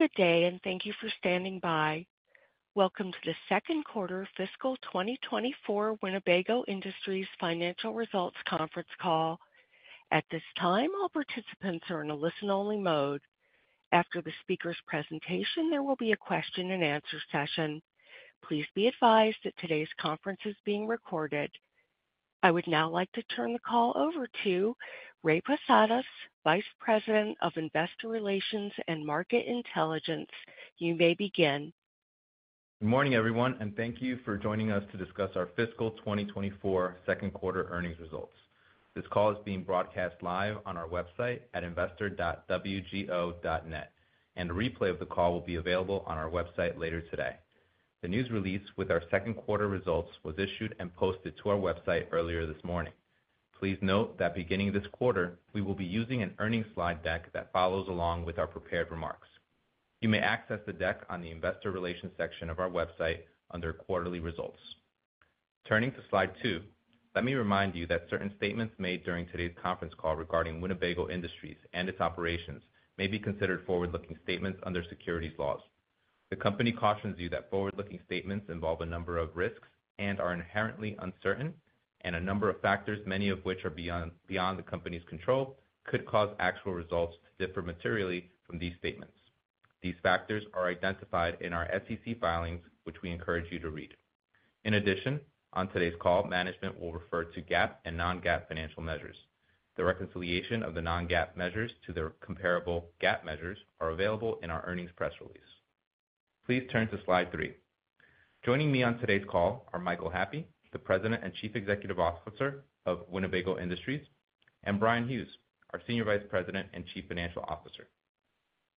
Good day, and thank you for standing by. Welcome to the second quarter fiscal 2024 Winnebago Industries Financial Results Conference Call. At this time, all participants are in a listen-only mode. After the speaker's presentation, there will be a question-and-answer session. Please be advised that today's conference is being recorded. I would now like to turn the call over to Ray Posadas, Vice President of Investor Relations and Market Intelligence. You may begin. Good morning, everyone, and thank you for joining us to discuss our fiscal 2024 second quarter earnings results. This call is being broadcast live on our website at investor.wgo.net, and a replay of the call will be available on our website later today. The news release with our second quarter results was issued and posted to our website earlier this morning. Please note that beginning this quarter, we will be using an earnings slide deck that follows along with our prepared remarks. You may access the deck on the Investor Relations section of our website under Quarterly Results. Turning to slide 2, let me remind you that certain statements made during today's conference call regarding Winnebago Industries and its operations may be considered forward-looking statements under securities laws. The company cautions you that forward-looking statements involve a number of risks and are inherently uncertain, and a number of factors, many of which are beyond the company's control, could cause actual results to differ materially from these statements. These factors are identified in our SEC filings, which we encourage you to read. In addition, on today's call, management will refer to GAAP and non-GAAP financial measures. The reconciliation of the non-GAAP measures to their comparable GAAP measures is available in our earnings press release. Please turn to slide 3. Joining me on today's call are Michael Happe, the President and Chief Executive Officer of Winnebago Industries, and Bryan Hughes, our Senior Vice President and Chief Financial Officer.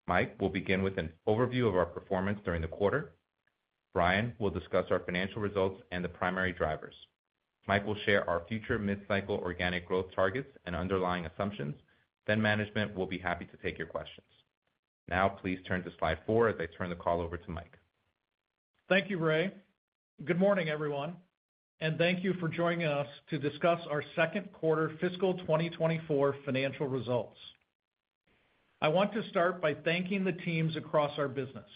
Mike will begin with an overview of our performance during the quarter. Bryan will discuss our financial results and the primary drivers. Mike will share our future mid-cycle organic growth targets and underlying assumptions, then management will be happy to take your questions. Now, please turn to slide four as I turn the call over to Mike. Thank you, Ray. Good morning, everyone, and thank you for joining us to discuss our second quarter fiscal 2024 financial results. I want to start by thanking the teams across our business: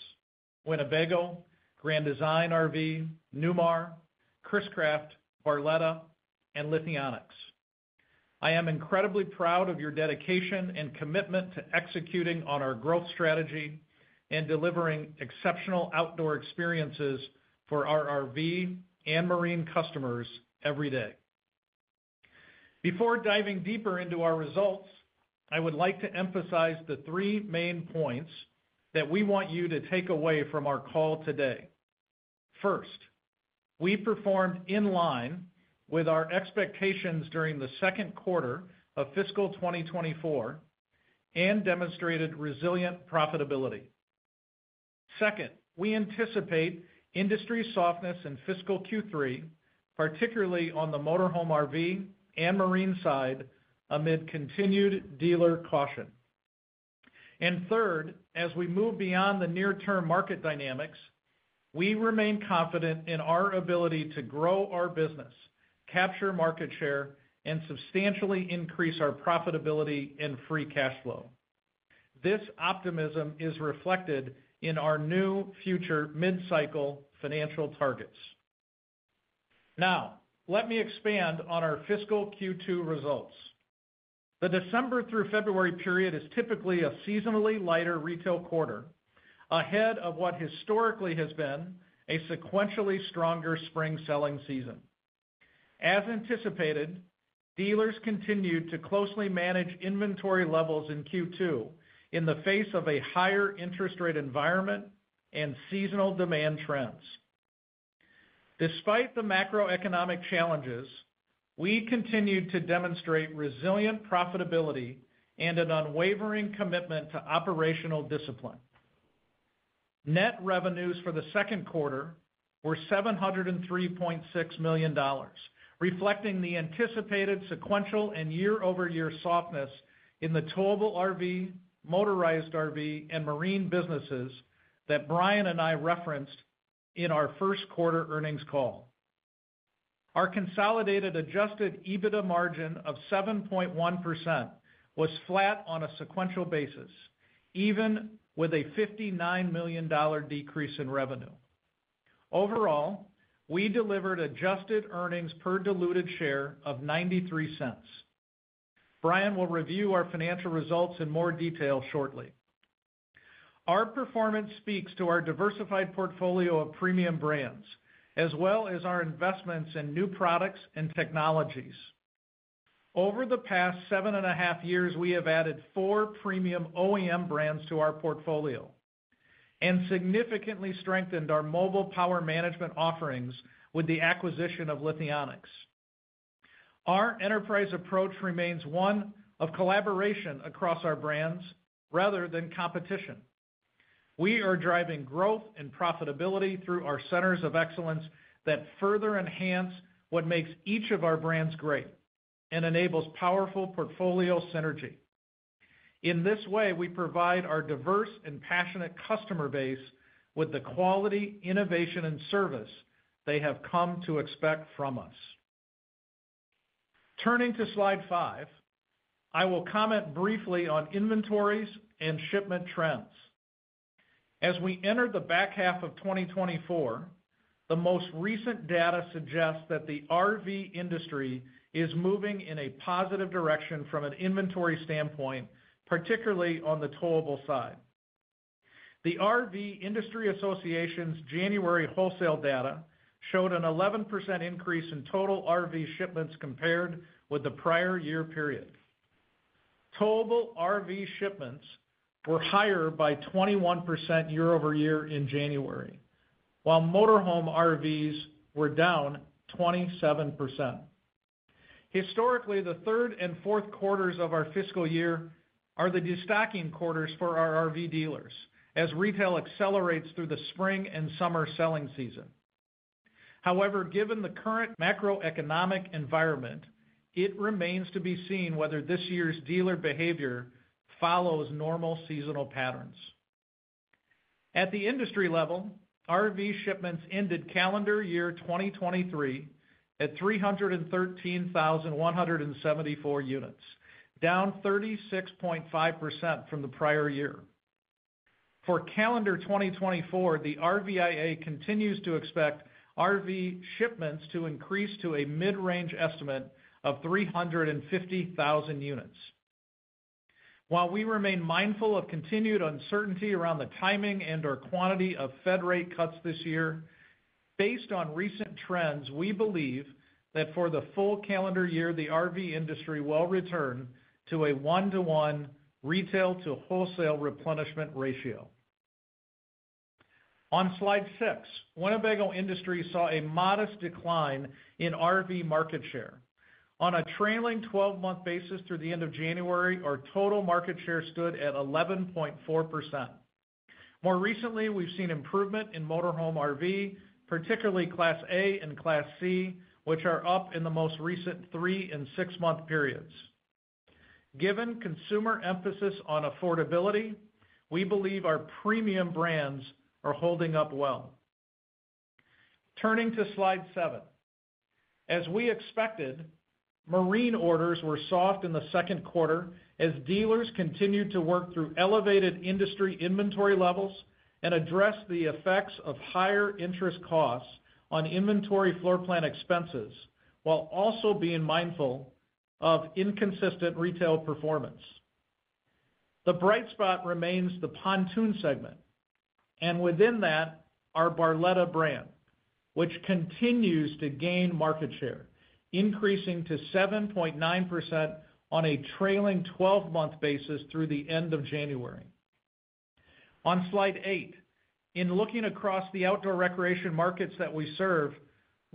Winnebago, Grand Design RV, Newmar, Chris-Craft, Barletta, and Lithionics. I am incredibly proud of your dedication and commitment to executing on our growth strategy and delivering exceptional outdoor experiences for our RV and marine customers every day. Before diving deeper into our results, I would like to emphasize the three main points that we want you to take away from our call today. First, we performed in line with our expectations during the second quarter of fiscal 2024 and demonstrated resilient profitability. Second, we anticipate industry softness in fiscal Q3, particularly on the motorhome RV and marine side, amid continued dealer caution. Third, as we move beyond the near-term market dynamics, we remain confident in our ability to grow our business, capture market share, and substantially increase our profitability and free cash flow. This optimism is reflected in our new future mid-cycle financial targets. Now, let me expand on our fiscal Q2 results. The December through February period is typically a seasonally lighter retail quarter, ahead of what historically has been a sequentially stronger spring selling season. As anticipated, dealers continued to closely manage inventory levels in Q2 in the face of a higher interest rate environment and seasonal demand trends. Despite the macroeconomic challenges, we continued to demonstrate resilient profitability and an unwavering commitment to operational discipline. Net revenues for the second quarter were $703.6 million, reflecting the anticipated sequential and year-over-year softness in the towable RV, motorized RV, and marine businesses that Bryan and I referenced in our first quarter earnings call. Our consolidated adjusted EBITDA margin of 7.1% was flat on a sequential basis, even with a $59 million decrease in revenue. Overall, we delivered adjusted earnings per diluted share of 0.93. Bryan will review our financial results in more detail shortly. Our performance speaks to our diversified portfolio of premium brands, as well as our investments in new products and technologies. Over the past seven and a half years, we have added four premium OEM brands to our portfolio and significantly strengthened our mobile power management offerings with the acquisition of Lithionics. Our enterprise approach remains one of collaboration across our brands rather than competition. We are driving growth and profitability through our centers of excellence that further enhance what makes each of our brands great and enables powerful portfolio synergy. In this way, we provide our diverse and passionate customer base with the quality, innovation, and service they have come to expect from us. Turning to slide 5, I will comment briefly on inventories and shipment trends. As we enter the back half of 2024, the most recent data suggests that the RV industry is moving in a positive direction from an inventory standpoint, particularly on the towable side. The RV Industry Association's January wholesale data showed an 11% increase in total RV shipments compared with the prior year period. Towable RV shipments were higher by 21% year-over-year in January, while motorhome RVs were down 27%. Historically, the third and fourth quarters of our fiscal year are the de-stocking quarters for our RV dealers as retail accelerates through the spring and summer selling season. However, given the current macroeconomic environment, it remains to be seen whether this year's dealer behavior follows normal seasonal patterns. At the industry level, RV shipments ended calendar year 2023 at 313,174 units, down 36.5% from the prior year. For calendar 2024, the RVIA continues to expect RV shipments to increase to a mid-range estimate of 350,000 units. While we remain mindful of continued uncertainty around the timing and/or quantity of Fed rate cuts this year, based on recent trends, we believe that for the full calendar year, the RV industry will return to a 1-to-1 retail-to-wholesale replenishment ratio. On slide 6, Winnebago Industries saw a modest decline in RV market share. On a trailing 12-month basis through the end of January, our total market share stood at 11.4%. More recently, we've seen improvement in motorhome RV, particularly Class A and Class C, which are up in the most recent three- and six-month periods. Given consumer emphasis on affordability, we believe our premium brands are holding up well. Turning to slide 7, as we expected, marine orders were soft in the second quarter as dealers continued to work through elevated industry inventory levels and address the effects of higher interest costs on inventory floor plan expenses while also being mindful of inconsistent retail performance. The bright spot remains the pontoon segment, and within that, our Barletta brand, which continues to gain market share, increasing to 7.9% on a trailing 12-month basis through the end of January. On slide 8, in looking across the outdoor recreation markets that we serve,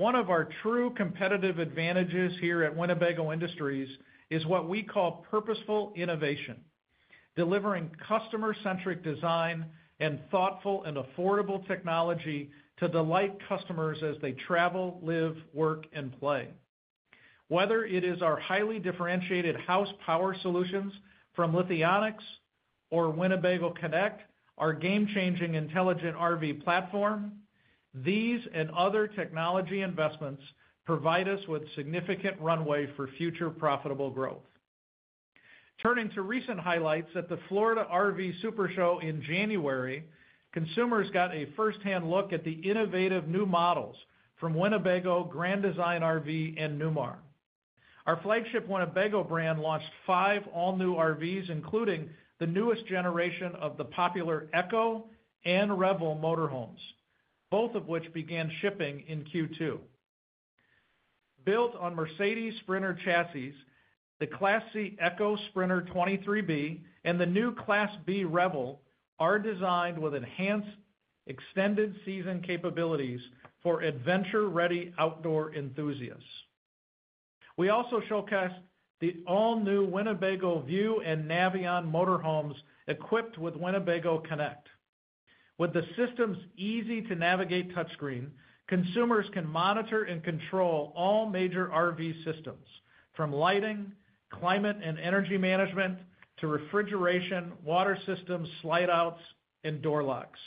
one of our true competitive advantages here at Winnebago Industries is what we call purposeful innovation, delivering customer-centric design and thoughtful and affordable technology to delight customers as they travel, live, work, and play. Whether it is our highly differentiated house power solutions from Lithionics or Winnebago Connect, our game-changing intelligent RV platform, these and other technology investments provide us with significant runway for future profitable growth. Turning to recent highlights at the Florida RV SuperShow in January, consumers got a firsthand look at the innovative new models from Winnebago, Grand Design RV, and Newmar. Our flagship Winnebago brand launched five all-new RVs, including the newest generation of the popular EKKO and Revel motorhomes, both of which began shipping in Q2. Built on Mercedes Sprinter chassis, the Class C EKKO Sprinter 23B and the new Class B Revel are designed with enhanced extended season capabilities for adventure-ready outdoor enthusiasts. We also showcased the all-new Winnebago View and Navion motorhomes equipped with Winnebago Connect. With the system's easy-to-navigate touchscreen, consumers can monitor and control all major RV systems, from lighting, climate and energy management, to refrigeration, water systems, slide-outs, and door locks.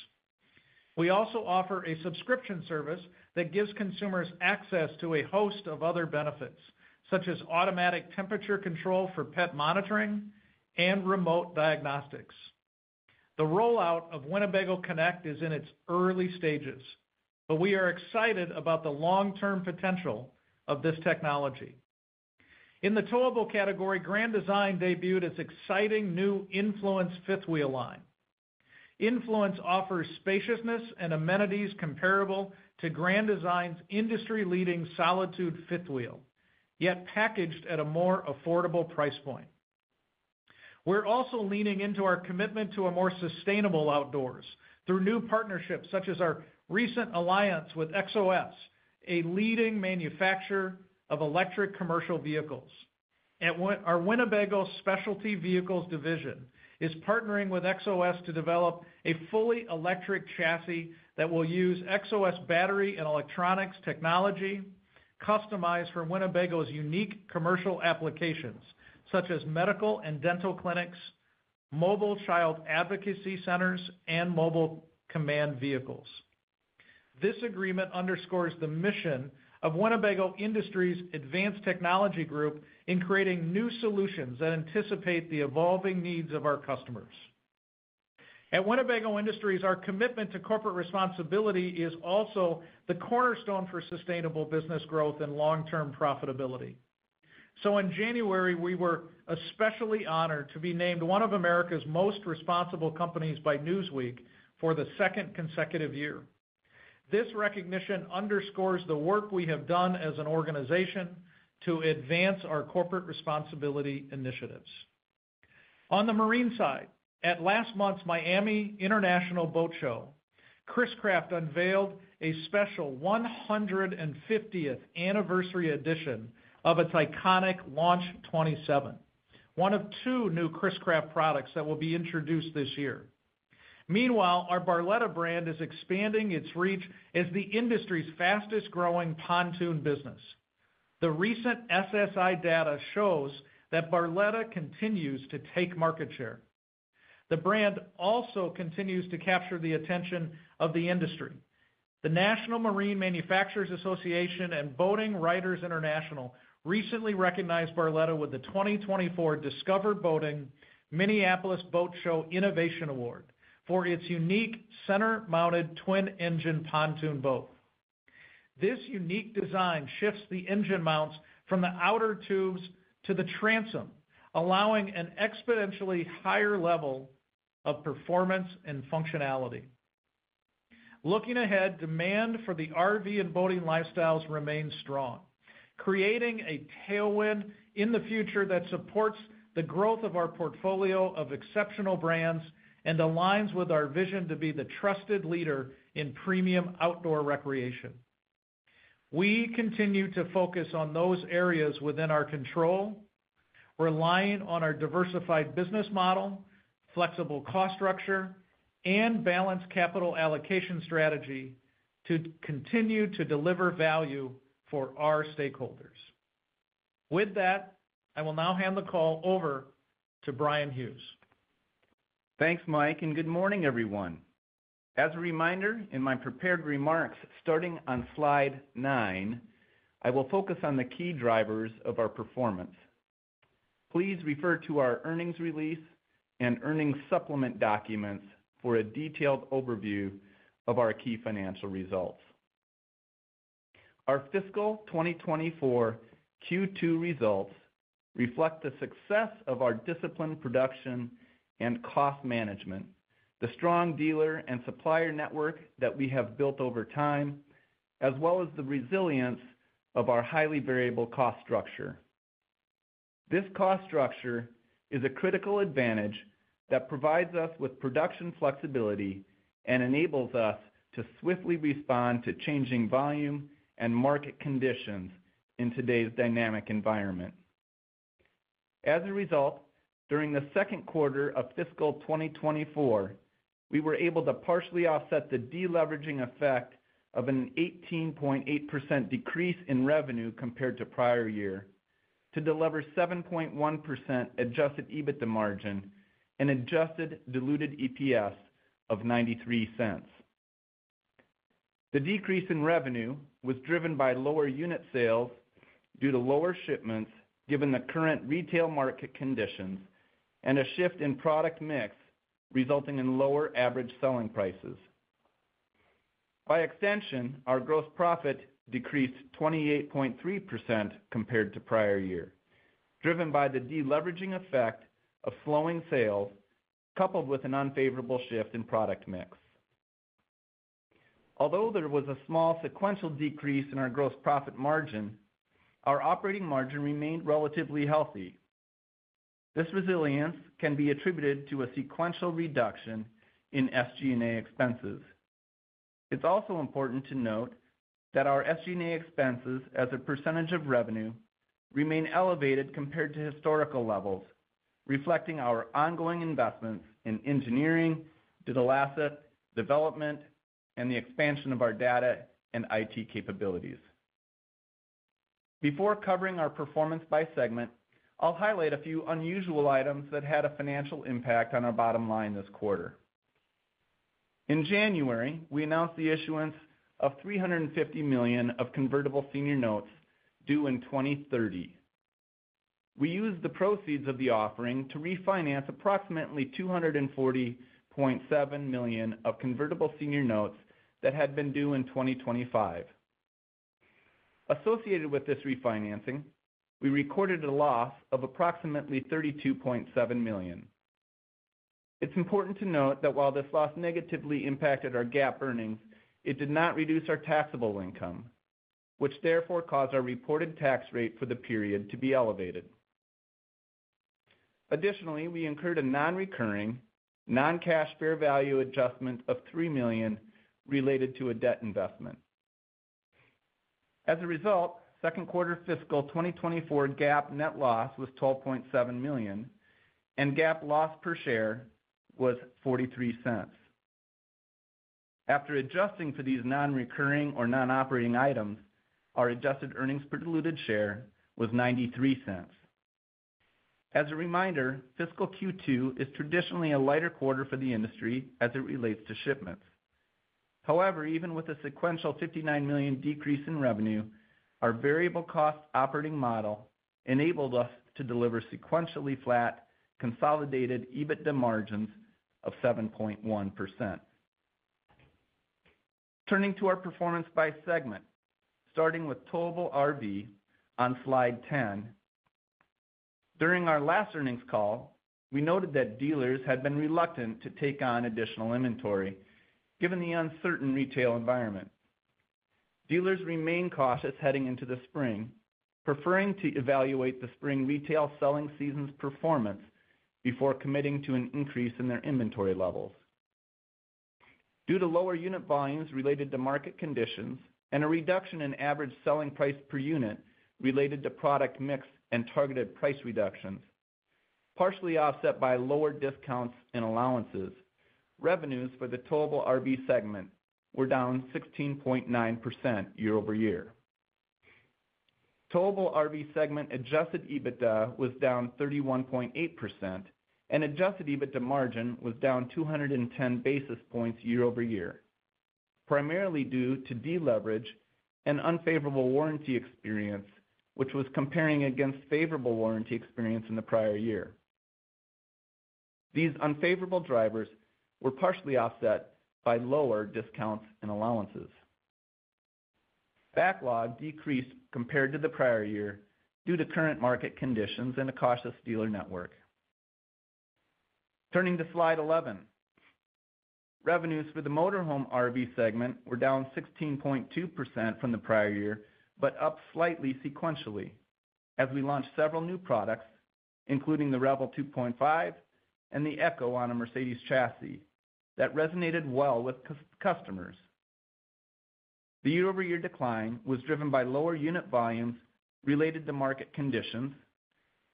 We also offer a subscription service that gives consumers access to a host of other benefits, such as automatic temperature control for pet monitoring and remote diagnostics. The rollout of Winnebago Connect is in its early stages, but we are excited about the long-term potential of this technology. In the towable category, Grand Design debuted its exciting new Influence fifth-wheel line. Influence offers spaciousness and amenities comparable to Grand Design's industry-leading Solitude fifth-wheel, yet packaged at a more affordable price point. We're also leaning into our commitment to a more sustainable outdoors through new partnerships, such as our recent alliance with Xos, a leading manufacturer of electric commercial vehicles. Our Winnebago Specialty Vehicles division is partnering with Xos to develop a fully electric chassis that will use Xos battery and electronics technology, customized for Winnebago's unique commercial applications, such as medical and dental clinics, mobile child advocacy centers, and mobile command vehicles. This agreement underscores the mission of Winnebago Industries' advanced technology group in creating new solutions that anticipate the evolving needs of our customers. At Winnebago Industries, our commitment to corporate responsibility is also the cornerstone for sustainable business growth and long-term profitability. So in January, we were especially honored to be named one of America's most responsible companies by Newsweek for the second consecutive year. This recognition underscores the work we have done as an organization to advance our corporate responsibility initiatives. On the marine side, at last month's Miami International Boat Show, Chris-Craft unveiled a special 150th anniversary edition of its iconic Launch 27, one of two new Chris-Craft products that will be introduced this year. Meanwhile, our Barletta brand is expanding its reach as the industry's fastest-growing pontoon business. The recent SSI data shows that Barletta continues to take market share. The brand also continues to capture the attention of the industry. The National Marine Manufacturers Association and Boating Writers International recently recognized Barletta with the 2024 Discover Boating Minneapolis Boat Show Innovation Award for its unique center-mounted twin-engine pontoon boat. This unique design shifts the engine mounts from the outer tubes to the transom, allowing an exponentially higher level of performance and functionality. Looking ahead, demand for the RV and boating lifestyles remains strong, creating a tailwind in the future that supports the growth of our portfolio of exceptional brands and aligns with our vision to be the trusted leader in premium outdoor recreation. We continue to focus on those areas within our control, relying on our diversified business model, flexible cost structure, and balanced capital allocation strategy to continue to deliver value for our stakeholders. With that, I will now hand the call over to Bryan Hughes. Thanks, Mike, and good morning, everyone. As a reminder, in my prepared remarks starting on slide 9, I will focus on the key drivers of our performance. Please refer to our earnings release and earnings supplement documents for a detailed overview of our key financial results. Our fiscal 2024 Q2 results reflect the success of our disciplined production and cost management, the strong dealer and supplier network that we have built over time, as well as the resilience of our highly variable cost structure. This cost structure is a critical advantage that provides us with production flexibility and enables us to swiftly respond to changing volume and market conditions in today's dynamic environment. As a result, during the second quarter of fiscal 2024, we were able to partially offset the deleveraging effect of an 18.8% decrease in revenue compared to prior year to deliver 7.1% adjusted EBITDA margin and adjusted diluted EPS of 0.93. The decrease in revenue was driven by lower unit sales due to lower shipments given the current retail market conditions and a shift in product mix resulting in lower average selling prices. By extension, our gross profit decreased 28.3% compared to prior year, driven by the deleveraging effect of slowing sales coupled with an unfavorable shift in product mix. Although there was a small sequential decrease in our gross profit margin, our operating margin remained relatively healthy. This resilience can be attributed to a sequential reduction in SG&A expenses. It's also important to note that our SG&A expenses, as a percentage of revenue, remain elevated compared to historical levels, reflecting our ongoing investments in engineering, digital asset development, and the expansion of our data and IT capabilities. Before covering our performance by segment, I'll highlight a few unusual items that had a financial impact on our bottom line this quarter. In January, we announced the issuance of $350 million of convertible senior notes due in 2030. We used the proceeds of the offering to refinance approximately $240.7 million of convertible senior notes that had been due in 2025. Associated with this refinancing, we recorded a loss of approximately $32.7 million. It's important to note that while this loss negatively impacted our GAAP earnings, it did not reduce our taxable income, which therefore caused our reported tax rate for the period to be elevated. Additionally, we incurred a non-recurring, non-cash fair value adjustment of $3 million related to a debt investment. As a result, second quarter fiscal 2024 GAAP net loss was $12.7 million, and GAAP loss per share was $0.43. After adjusting for these non-recurring or non-operating items, our adjusted earnings per diluted share was $0.93. As a reminder, fiscal Q2 is traditionally a lighter quarter for the industry as it relates to shipments. However, even with a sequential $59 million decrease in revenue, our variable cost operating model enabled us to deliver sequentially flat consolidated EBITDA margins of 7.1%. Turning to our performance by segment, starting with towable RV on slide 10, during our last earnings call, we noted that dealers had been reluctant to take on additional inventory given the uncertain retail environment. Dealers remain cautious heading into the spring, preferring to evaluate the spring retail selling season's performance before committing to an increase in their inventory levels. Due to lower unit volumes related to market conditions and a reduction in average selling price per unit related to product mix and targeted price reductions, partially offset by lower discounts and allowances, revenues for the towable RV segment were down 16.9% year-over-year. Towable RV segment adjusted EBITDA was down 31.8%, and adjusted EBITDA margin was down 210 basis points year-over-year, primarily due to deleverage and unfavorable warranty experience, which was comparing against favorable warranty experience in the prior year. These unfavorable drivers were partially offset by lower discounts and allowances. Backlog decreased compared to the prior year due to current market conditions and a cautious dealer network. Turning to slide 11, revenues for the motorhome RV segment were down 16.2% from the prior year but up slightly sequentially as we launched several new products, including the Revel 2.5 and the EKKO on a Mercedes chassis, that resonated well with customers. The year-over-year decline was driven by lower unit volumes related to market conditions,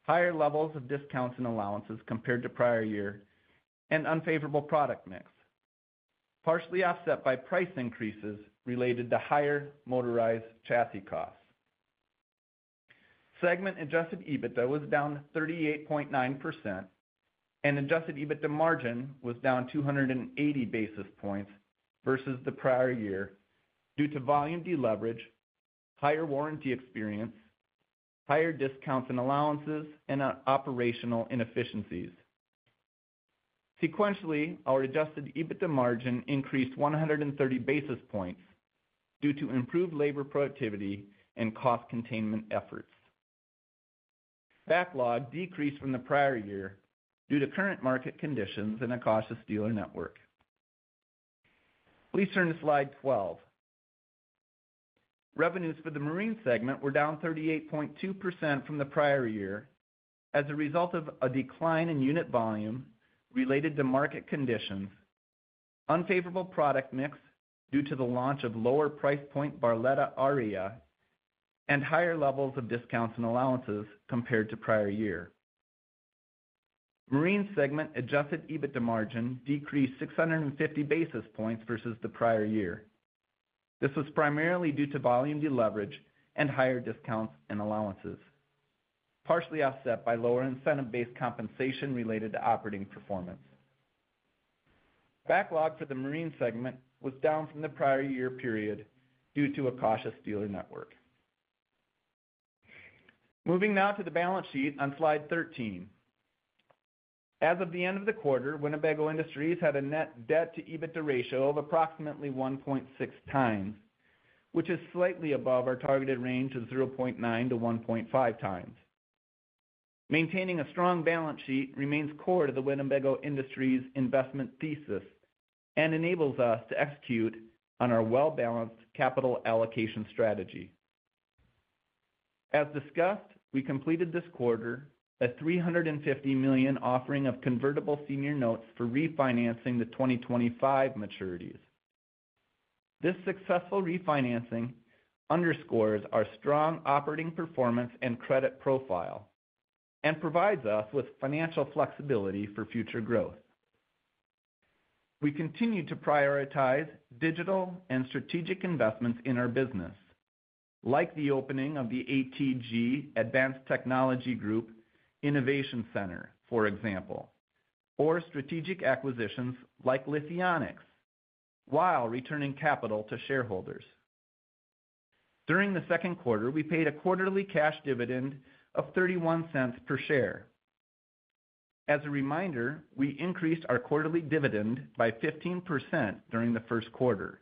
higher levels of discounts and allowances compared to prior year, and unfavorable product mix, partially offset by price increases related to higher motorized chassis costs. Segment adjusted EBITDA was down 38.9%, and adjusted EBITDA margin was down 280 basis points versus the prior year due to volume deleverage, higher warranty experience, higher discounts and allowances, and operational inefficiencies. Sequentially, our adjusted EBITDA margin increased 130 basis points due to improved labor productivity and cost containment efforts. Backlog decreased from the prior year due to current market conditions and a cautious dealer network. Please turn to slide 12. Revenues for the marine segment were down 38.2% from the prior year as a result of a decline in unit volume related to market conditions, unfavorable product mix due to the launch of lower price point Barletta Aria, and higher levels of discounts and allowances compared to prior year. Marine segment adjusted EBITDA margin decreased 650 basis points versus the prior year. This was primarily due to volume deleverage and higher discounts and allowances, partially offset by lower incentive-based compensation related to operating performance. Backlog for the marine segment was down from the prior year period due to a cautious dealer network. Moving now to the balance sheet on slide 13. As of the end of the quarter, Winnebago Industries had a net debt to EBITDA ratio of approximately 1.6 times, which is slightly above our targeted range of 0.9-1.5 times. Maintaining a strong balance sheet remains core to the Winnebago Industries investment thesis and enables us to execute on our well-balanced capital allocation strategy. As discussed, we completed this quarter a $350 million offering of convertible senior notes for refinancing the 2025 maturities. This successful refinancing underscores our strong operating performance and credit profile and provides us with financial flexibility for future growth. We continue to prioritize digital and strategic investments in our business, like the opening of the ATG Advanced Technology Group Innovation Center, for example, or strategic acquisitions like Lithionics while returning capital to shareholders. During the second quarter, we paid a quarterly cash dividend of $0.31 per share. As a reminder, we increased our quarterly dividend by 15% during the first quarter,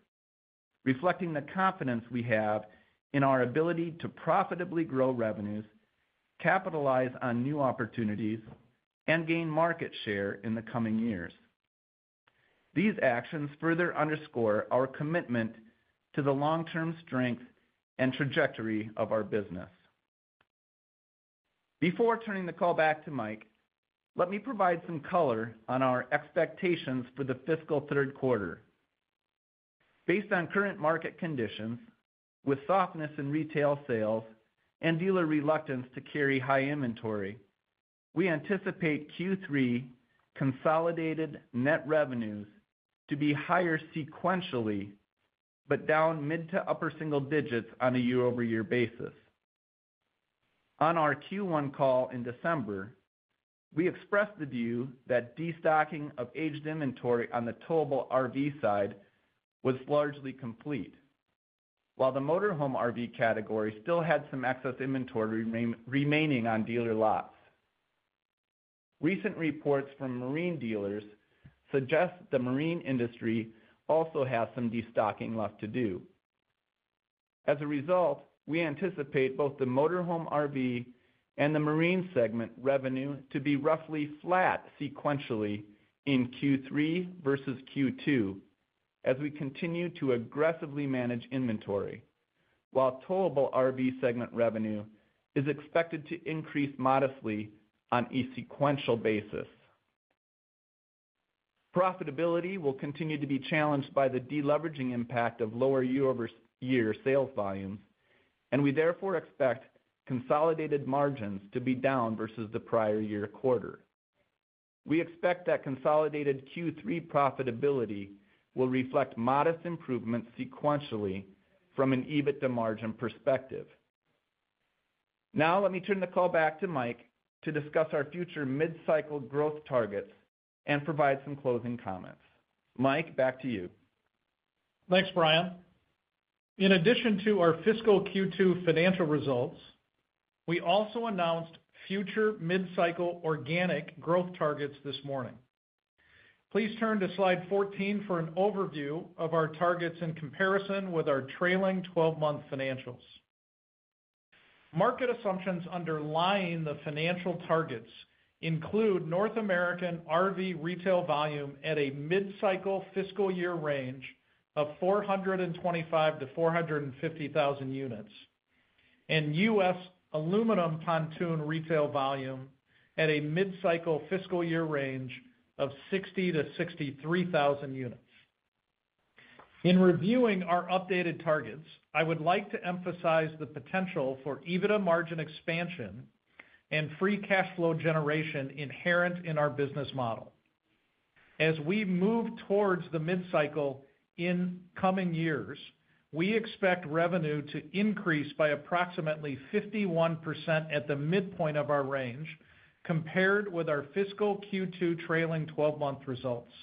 reflecting the confidence we have in our ability to profitably grow revenues, capitalize on new opportunities, and gain market share in the coming years. These actions further underscore our commitment to the long-term strength and trajectory of our business. Before turning the call back to Mike, let me provide some color on our expectations for the fiscal third quarter. Based on current market conditions, with softness in retail sales and dealer reluctance to carry high inventory, we anticipate Q3 consolidated net revenues to be higher sequentially but down mid to upper single digits on a year-over-year basis. On our Q1 call in December, we expressed the view that destocking of aged inventory on the towable RV side was largely complete, while the motorhome RV category still had some excess inventory remaining on dealer lots. Recent reports from marine dealers suggest the marine industry also has some destocking left to do. As a result, we anticipate both the motorhome RV and the marine segment revenue to be roughly flat sequentially in Q3 versus Q2 as we continue to aggressively manage inventory, while towable RV segment revenue is expected to increase modestly on a sequential basis. Profitability will continue to be challenged by the deleveraging impact of lower year-over-year sales volumes, and we therefore expect consolidated margins to be down versus the prior year quarter. We expect that consolidated Q3 profitability will reflect modest improvements sequentially from an EBITDA margin perspective. Now, let me turn the call back to Mike to discuss our future mid-cycle growth targets and provide some closing comments. Mike, back to you. Thanks, Bryan. In addition to our fiscal Q2 financial results, we also announced future mid-cycle organic growth targets this morning. Please turn to slide 14 for an overview of our targets in comparison with our trailing 12-month financials. Market assumptions underlying the financial targets include North American RV retail volume at a mid-cycle fiscal year range of 425,000-450,000 units, and US aluminum pontoon retail volume at a mid-cycle fiscal year range of 60,000-63,000 units. In reviewing our updated targets, I would like to emphasize the potential for EBITDA margin expansion and free cash flow generation inherent in our business model. As we move towards the mid-cycle in coming years, we expect revenue to increase by approximately 51% at the midpoint of our range compared with our fiscal Q2 trailing 12-month results.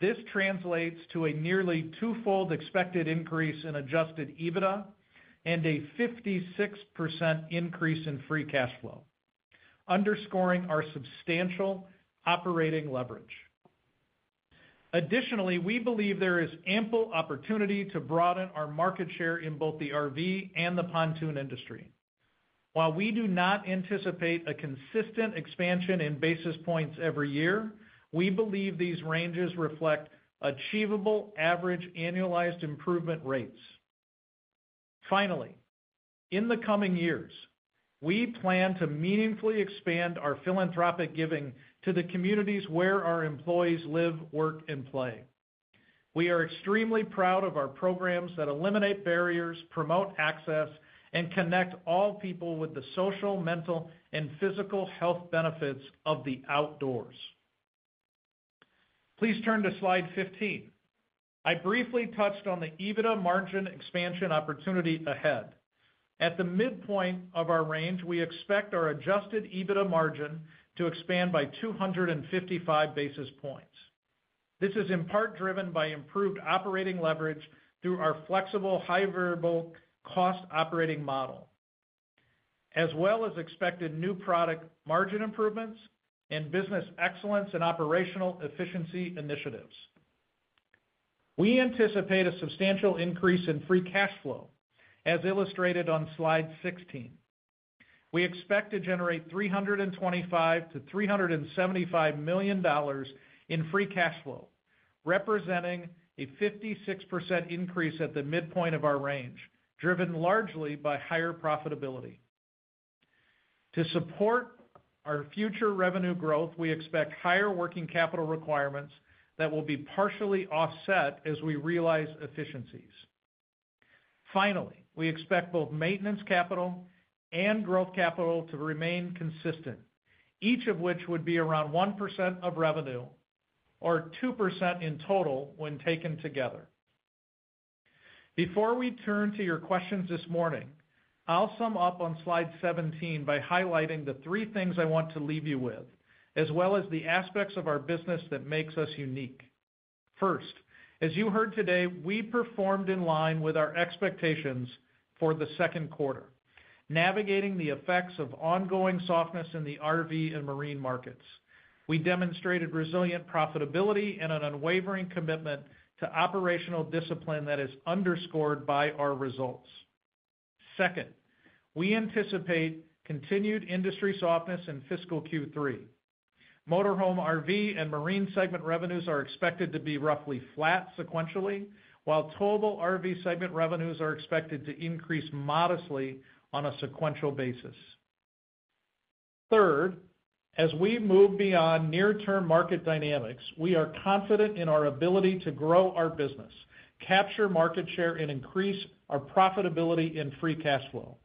This translates to a nearly twofold expected increase in adjusted EBITDA and a 56% increase in free cash flow, underscoring our substantial operating leverage. Additionally, we believe there is ample opportunity to broaden our market share in both the RV and the pontoon industry. While we do not anticipate a consistent expansion in basis points every year, we believe these ranges reflect achievable average annualized improvement rates. Finally, in the coming years, we plan to meaningfully expand our philanthropic giving to the communities where our employees live, work, and play. We are extremely proud of our programs that eliminate barriers, promote access, and connect all people with the social, mental, and physical health benefits of the outdoors. Please turn to slide 15. I briefly touched on the EBITDA margin expansion opportunity ahead. At the midpoint of our range, we expect our adjusted EBITDA margin to expand by 255 basis points. This is in part driven by improved operating leverage through our flexible high-variable cost operating model, as well as expected new product margin improvements and business excellence and operational efficiency initiatives. We anticipate a substantial increase in free cash flow, as illustrated on slide 16. We expect to generate $325 million-$375 million in free cash flow, representing a 56% increase at the midpoint of our range, driven largely by higher profitability. To support our future revenue growth, we expect higher working capital requirements that will be partially offset as we realize efficiencies. Finally, we expect both maintenance capital and growth capital to remain consistent, each of which would be around 1% of revenue or 2% in total when taken together. Before we turn to your questions this morning, I'll sum up on slide 17 by highlighting the three things I want to leave you with, as well as the aspects of our business that makes us unique. First, as you heard today, we performed in line with our expectations for the second quarter, navigating the effects of ongoing softness in the RV and marine markets. We demonstrated resilient profitability and an unwavering commitment to operational discipline that is underscored by our results. Second, we anticipate continued industry softness in fiscal Q3. Motorhome RV and marine segment revenues are expected to be roughly flat sequentially, while towable RV segment revenues are expected to increase modestly on a sequential basis. Third, as we move beyond near-term market dynamics, we are confident in our ability to grow our business, capture market share, and increase our profitability in free cash flow.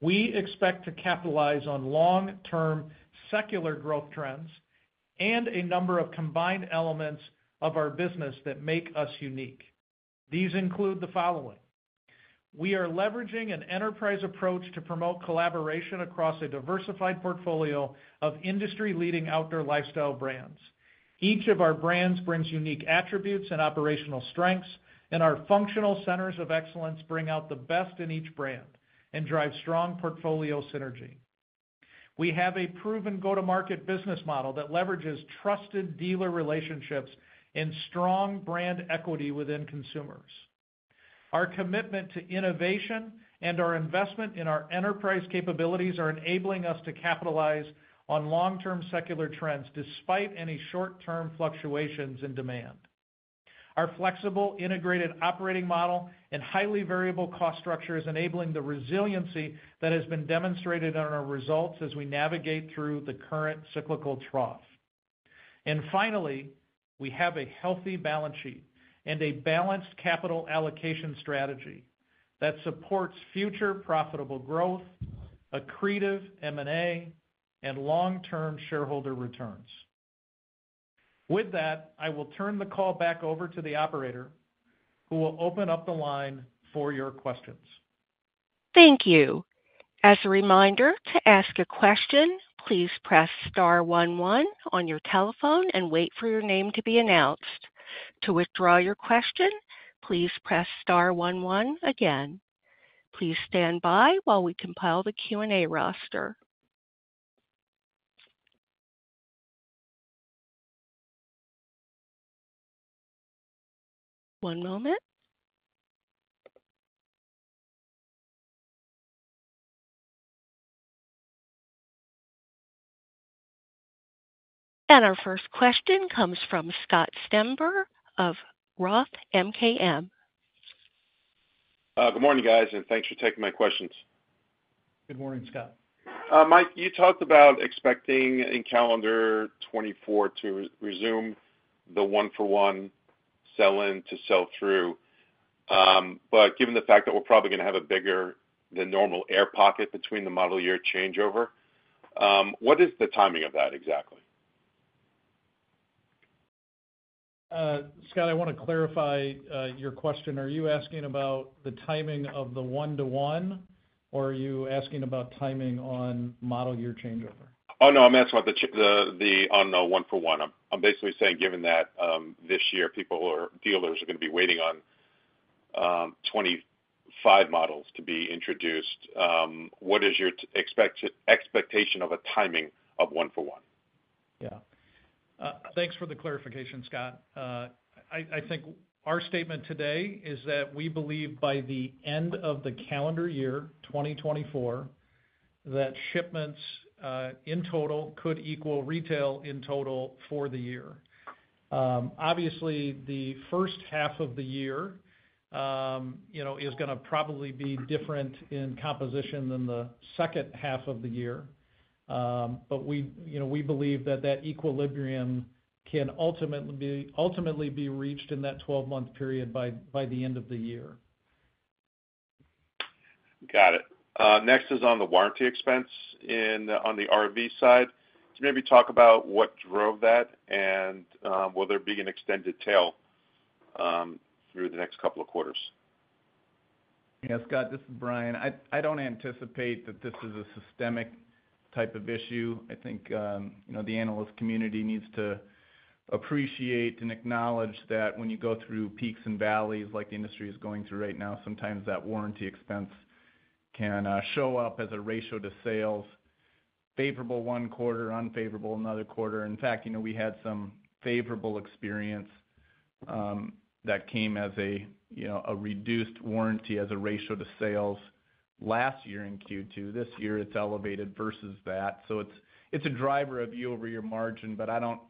We expect to capitalize on long-term secular growth trends and a number of combined elements of our business that make us unique. These include the following: We are leveraging an enterprise approach to promote collaboration across a diversified portfolio of industry-leading outdoor lifestyle brands. Each of our brands brings unique attributes and operational strengths, and our functional centers of excellence bring out the best in each brand and drive strong portfolio synergy. We have a proven go-to-market business model that leverages trusted dealer relationships and strong brand equity within consumers. Our commitment to innovation and our investment in our enterprise capabilities are enabling us to capitalize on long-term secular trends despite any short-term fluctuations in demand. Our flexible, integrated operating model and highly variable cost structure is enabling the resiliency that has been demonstrated on our results as we navigate through the current cyclical trough. Finally, we have a healthy balance sheet and a balanced capital allocation strategy that supports future profitable growth, accretive M&A, and long-term shareholder returns. With that, I will turn the call back over to the operator, who will open up the line for your questions. Thank you. As a reminder, to ask a question, please press star one one on your telephone and wait for your name to be announced. To withdraw your question, please press star one one again. Please stand by while we compile the Q&A roster. One moment. Our first question comes from Scott Stember of Roth MKM. Good morning, guys, and thanks for taking my questions. Good morning, Scott. Mike, you talked about expecting in calendar 2024 to resume the 1-for-1 sell-in to sell-through. But given the fact that we're probably going to have a bigger-than-normal air pocket between the model year changeover, what is the timing of that exactly? Scott, I want to clarify your question. Are you asking about the timing of the one-to-one, or are you asking about timing on model year changeover? Oh, no, I'm asking about the one-for-one. I'm basically saying, given that this year dealers are going to be waiting on 2025 models to be introduced, what is your expectation of a timing of one-for-one? Yeah. Thanks for the clarification, Scott. I think our statement today is that we believe, by the end of the calendar year, 2024, that shipments in total could equal retail in total for the year. Obviously, the first half of the year is going to probably be different in composition than the second half of the year, but we believe that that equilibrium can ultimately be reached in that 12-month period by the end of the year. Got it. Next is on the warranty expense on the RV side. Can you maybe talk about what drove that and will there be an extended tail through the next couple of quarters? Yeah, Scott, this is Bryan. I don't anticipate that this is a systemic type of issue. I think the analyst community needs to appreciate and acknowledge that when you go through peaks and valleys, like the industry is going through right now, sometimes that warranty expense can show up as a ratio to sales: favorable one quarter, unfavorable another quarter. In fact, we had some favorable experience that came as a reduced warranty as a ratio to sales last year in Q2. This year, it's elevated versus that. So it's a driver of the year-over-year margin, but I don't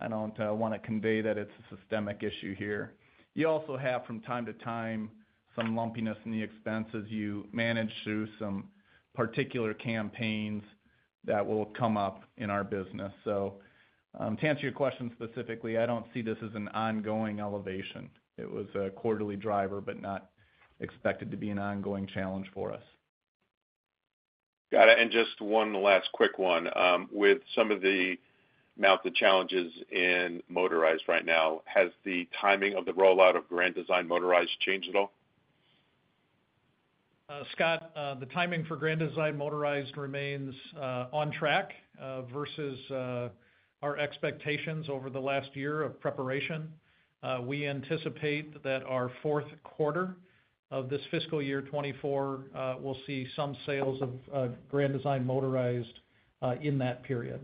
want to convey that it's a systemic issue here. You also have, from time to time, some lumpiness in the expenses. You manage through some particular campaigns that will come up in our business. So to answer your question specifically, I don't see this as an ongoing elevation. It was a quarterly driver but not expected to be an ongoing challenge for us. Got it. Just one last quick one. With some of the challenges in motorized right now, has the timing of the rollout of Grand Design Motorized changed at all? Scott, the timing for Grand Design Motorized remains on track versus our expectations over the last year of preparation. We anticipate that our fourth quarter of this fiscal year, 2024, will see some sales of Grand Design Motorized in that period.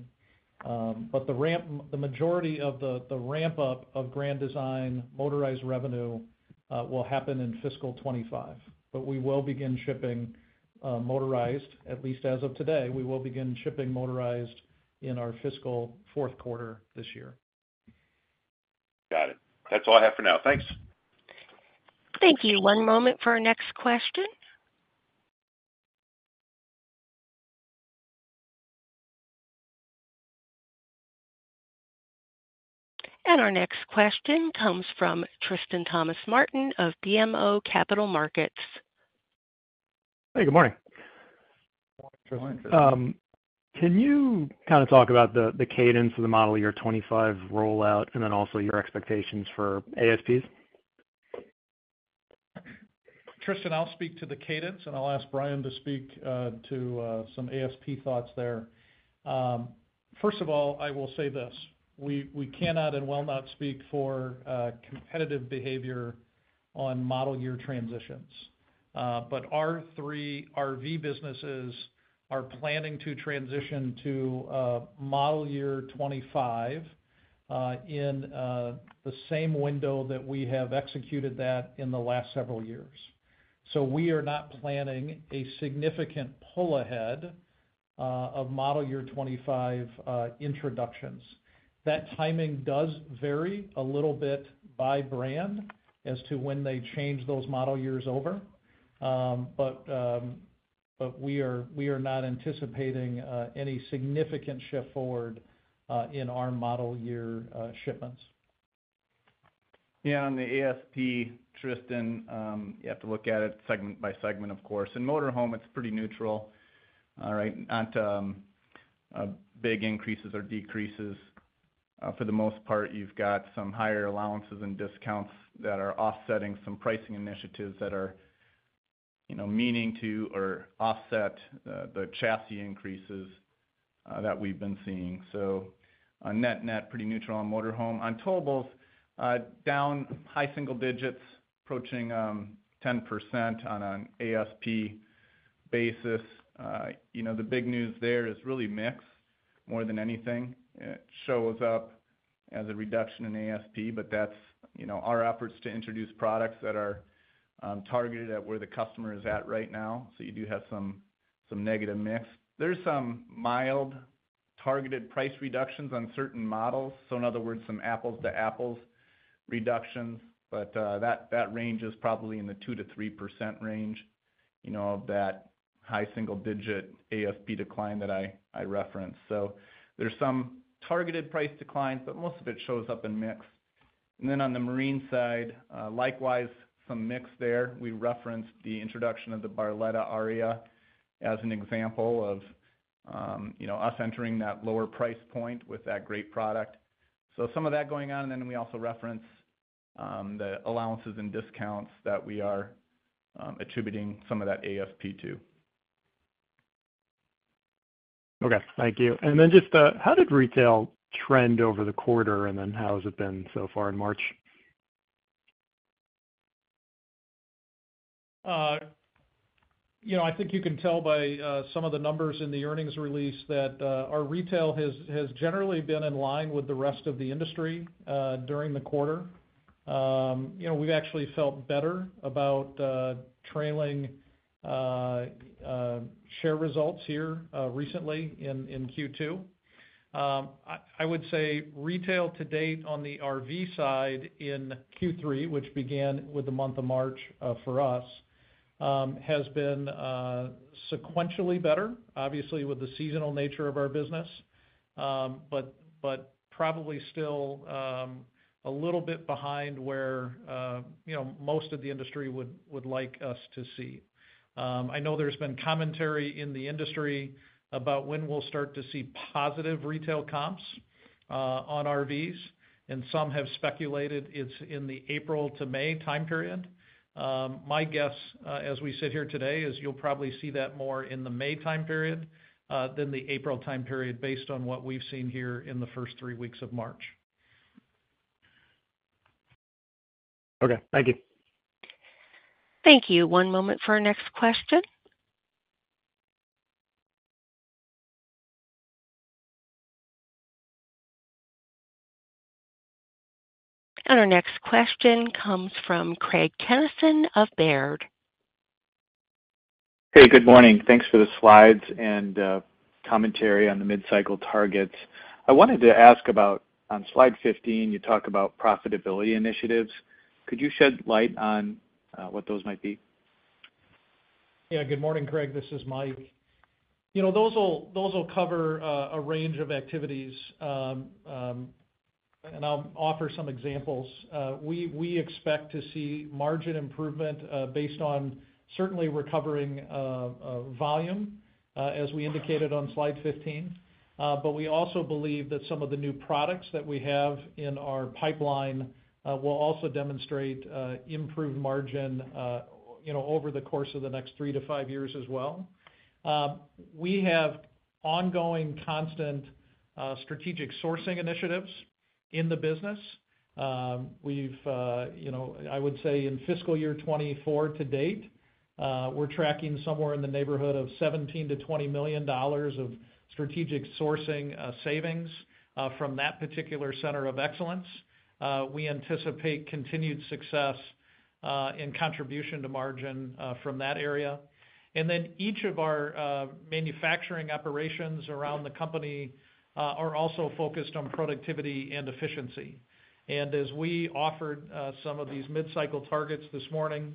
But the majority of the ramp-up of Grand Design Motorized revenue will happen in fiscal 2025. But we will begin shipping motorized at least as of today. We will begin shipping motorized in our fiscal fourth quarter this year. Got it. That's all I have for now. Thanks. Thank you. One moment for our next question. Our next question comes from Tristan Thomas-Martin of BMO Capital Markets. Hey, good morning. Morning, Tristan. Can you kind of talk about the cadence of the model year 2025 rollout and then also your expectations for ASPs? Tristan, I'll speak to the cadence, and I'll ask Bryan to speak to some ASP thoughts there. First of all, I will say this: We cannot and will not speak for competitive behavior on model year transitions. But our three RV businesses are planning to transition to model year 2025 in the same window that we have executed that in the last several years. So we are not planning a significant pull ahead of model year 2025 introductions. That timing does vary a little bit by brand as to when they change those model years over, but we are not anticipating any significant shift forward in our model year shipments. Yeah, on the ASP, Tristan, you have to look at it segment by segment, of course. In motor home, it's pretty neutral, right? Not big increases or decreases. For the most part, you've got some higher allowances and discounts that are offsetting some pricing initiatives that are meant to offset the chassis increases that we've been seeing. So net, net, pretty neutral on motor home. On towables, down high single digits, approaching 10% on an ASP basis. The big news there is really mix more than anything. It shows up as a reduction in ASP, but that's our efforts to introduce products that are targeted at where the customer is at right now. So you do have some negative mix. There's some mild targeted price reductions on certain models. So in other words, some apples-to-apples reductions, but that range is probably in the 2%-3% range of that high single-digit ASP decline that I referenced. So there's some targeted price declines, but most of it shows up in mix. And then on the marine side, likewise, some mix there. We referenced the introduction of the Barletta Aria as an example of us entering that lower price point with that great product. So some of that going on, and then we also reference the allowances and discounts that we are attributing some of that ASP to. Okay. Thank you. And then just how did retail trend over the quarter, and then how has it been so far in March? I think you can tell by some of the numbers in the earnings release that our retail has generally been in line with the rest of the industry during the quarter. We've actually felt better about trailing share results here recently in Q2. I would say retail to date on the RV side in Q3, which began with the month of March for us, has been sequentially better, obviously, with the seasonal nature of our business, but probably still a little bit behind where most of the industry would like us to see. I know there's been commentary in the industry about when we'll start to see positive retail comps on RVs, and some have speculated it's in the April to May time period. My guess, as we sit here today, is you'll probably see that more in the May time period than the April time period based on what we've seen here in the first three weeks of March. Okay. Thank you. Thank you. One moment for our next question. Our next question comes from Craig Kennison of Baird. Hey, good morning. Thanks for the slides and commentary on the mid-cycle targets. I wanted to ask about on slide 15, you talk about profitability initiatives. Could you shed light on what those might be? Yeah, good morning, Craig. This is Mike. Those will cover a range of activities, and I'll offer some examples. We expect to see margin improvement based on certainly recovering volume, as we indicated on slide 15. But we also believe that some of the new products that we have in our pipeline will also demonstrate improved margin over the course of the next 3-5 years as well. We have ongoing, constant strategic sourcing initiatives in the business. I would say in fiscal year 2024 to date, we're tracking somewhere in the neighborhood of $17 million-$20 million of strategic sourcing savings from that particular center of excellence. We anticipate continued success in contribution to margin from that area. And then each of our manufacturing operations around the company are also focused on productivity and efficiency. As we offered some of these mid-cycle targets this morning,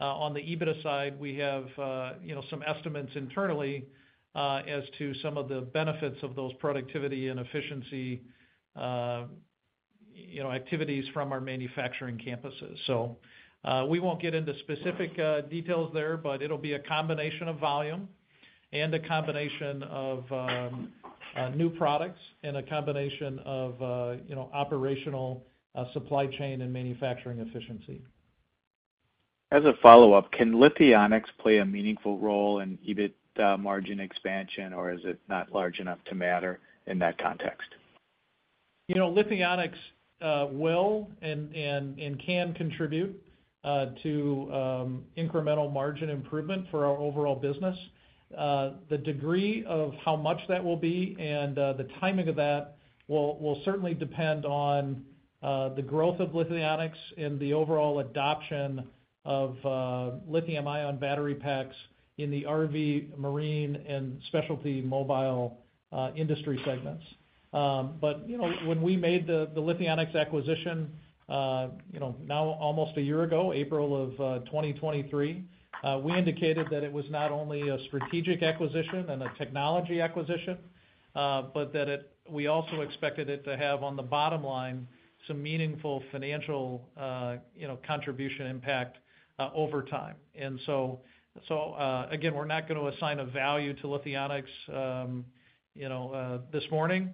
on the EBITDA side, we have some estimates internally as to some of the benefits of those productivity and efficiency activities from our manufacturing campuses. We won't get into specific details there, but it'll be a combination of volume and a combination of new products and a combination of operational supply chain and manufacturing efficiency. As a follow-up, can Lithionics play a meaningful role in EBIT margin expansion, or is it not large enough to matter in that context? Lithionics will and can contribute to incremental margin improvement for our overall business. The degree of how much that will be and the timing of that will certainly depend on the growth of Lithionics and the overall adoption of lithium-ion battery packs in the RV, marine, and specialty mobile industry segments. But when we made the Lithionics acquisition now almost a year ago, April of 2023, we indicated that it was not only a strategic acquisition and a technology acquisition, but that we also expected it to have, on the bottom line, some meaningful financial contribution impact over time. And so again, we're not going to assign a value to Lithionics this morning,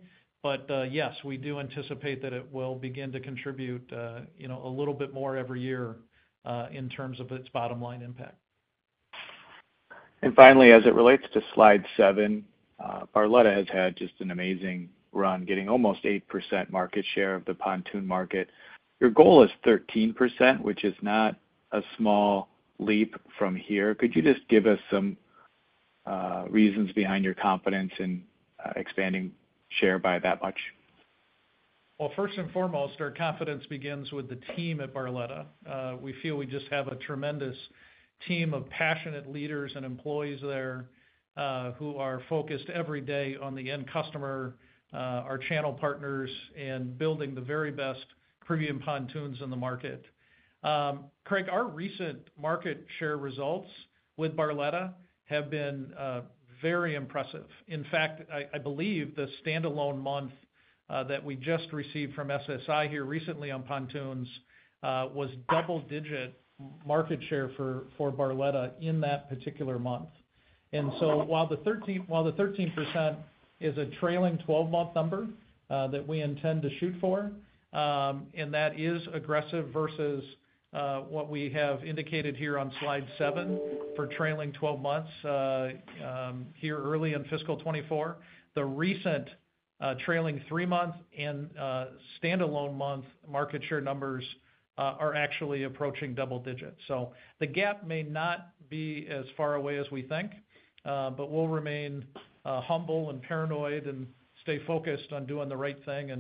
but yes, we do anticipate that it will begin to contribute a little bit more every year in terms of its bottom line impact. Finally, as it relates to slide 7, Barletta has had just an amazing run, getting almost 8% market share of the pontoon market. Your goal is 13%, which is not a small leap from here. Could you just give us some reasons behind your confidence in expanding share by that much? Well, first and foremost, our confidence begins with the team at Barletta. We feel we just have a tremendous team of passionate leaders and employees there who are focused every day on the end customer, our channel partners, and building the very best premium pontoons in the market. Craig, our recent market share results with Barletta have been very impressive. In fact, I believe the standalone month that we just received from SSI here recently on pontoons was double-digit market share for Barletta in that particular month. And so while the 13% is a trailing 12-month number that we intend to shoot for, and that is aggressive versus what we have indicated here on slide 7 for trailing 12 months here early in fiscal 2024, the recent trailing three-month and standalone month market share numbers are actually approaching double digits. The gap may not be as far away as we think, but we'll remain humble and paranoid and stay focused on doing the right thing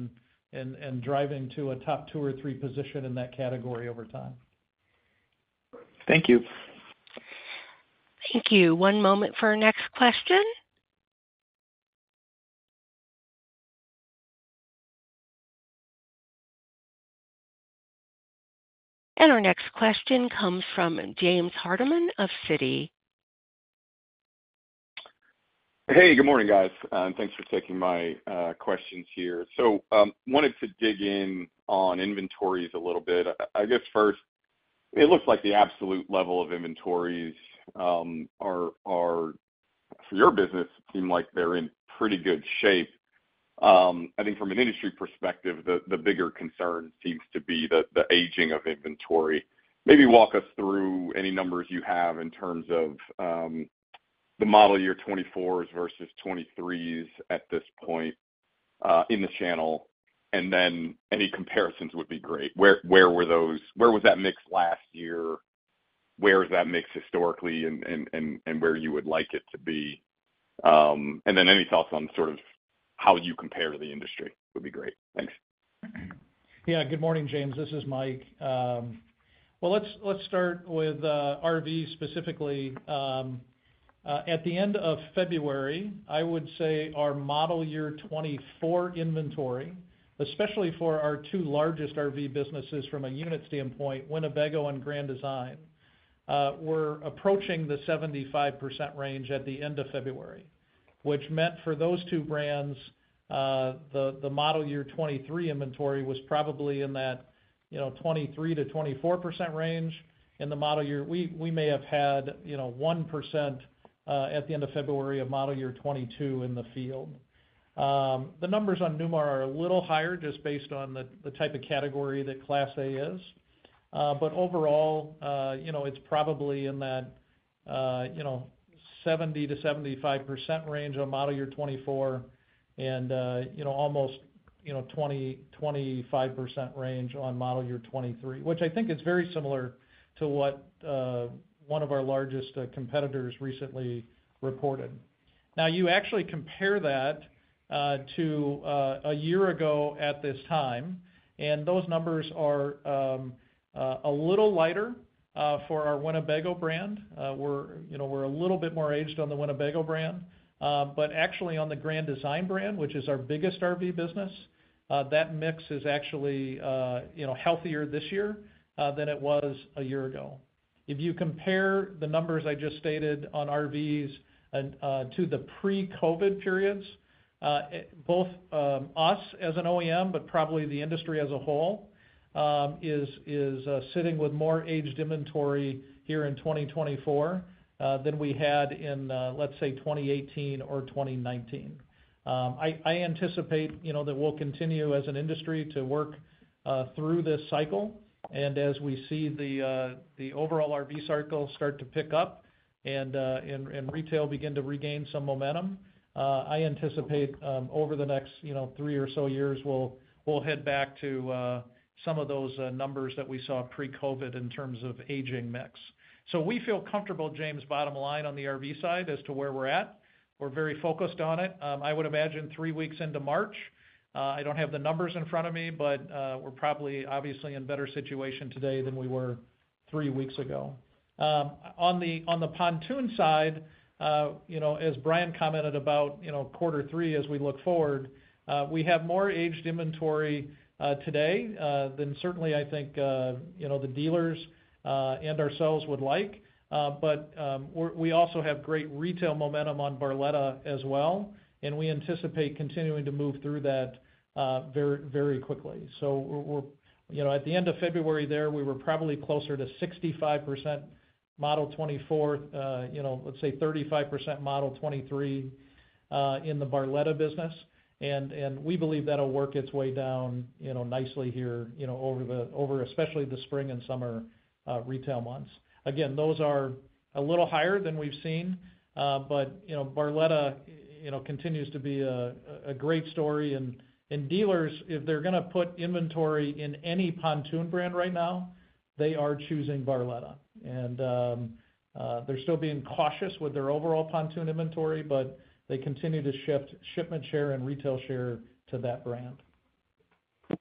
and driving to a top two or three position in that category over time. Thank you. Thank you. One moment for our next question. Our next question comes from James Hardiman of Citi. Hey, good morning, guys, and thanks for taking my questions here. So wanted to dig in on inventories a little bit. I guess first, it looks like the absolute level of inventories for your business seem like they're in pretty good shape. I think from an industry perspective, the bigger concern seems to be the aging of inventory. Maybe walk us through any numbers you have in terms of the model year 2024s versus 2023s at this point in the channel, and then any comparisons would be great. Where was that mix last year? Where is that mix historically, and where you would like it to be? And then any thoughts on sort of how you compare to the industry would be great. Thanks. Yeah, good morning, James. This is Mike. Well, let's start with RV specifically. At the end of February, I would say our model year 2024 inventory, especially for our two largest RV businesses from a unit standpoint, Winnebago and Grand Design, were approaching the 75% range at the end of February, which meant for those two brands, the model year 2023 inventory was probably in that 23%-24% range in the model year. We may have had 1% at the end of February of model year 2022 in the field. The numbers on Newmar are a little higher just based on the type of category that Class A is. But overall, it's probably in that 70%-75% range on model year 2024 and almost 20%-25% range on model year 2023, which I think is very similar to what one of our largest competitors recently reported. Now, you actually compare that to a year ago at this time, and those numbers are a little lighter for our Winnebago brand. We're a little bit more aged on the Winnebago brand. But actually, on the Grand Design brand, which is our biggest RV business, that mix is actually healthier this year than it was a year ago. If you compare the numbers I just stated on RVs to the pre-COVID periods, both us as an OEM, but probably the industry as a whole, is sitting with more aged inventory here in 2024 than we had in, let's say, 2018 or 2019. I anticipate that we'll continue as an industry to work through this cycle. As we see the overall RV cycle start to pick up and retail begin to regain some momentum, I anticipate over the next three or so years, we'll head back to some of those numbers that we saw pre-COVID in terms of aging mix. We feel comfortable, James, bottom line on the RV side as to where we're at. We're very focused on it. I would imagine three weeks into March I don't have the numbers in front of me, but we're probably obviously in better situation today than we were three weeks ago. On the pontoon side, as Bryan commented about quarter three as we look forward, we have more aged inventory today than certainly, I think, the dealers and ourselves would like. But we also have great retail momentum on Barletta as well, and we anticipate continuing to move through that very, very quickly. So at the end of February there, we were probably closer to 65% model 2024, let's say 35% model 2023 in the Barletta business. And we believe that'll work its way down nicely here, especially the spring and summer retail months. Again, those are a little higher than we've seen, but Barletta continues to be a great story. And dealers, if they're going to put inventory in any pontoon brand right now, they are choosing Barletta. And they're still being cautious with their overall pontoon inventory, but they continue to shift shipment share and retail share to that brand.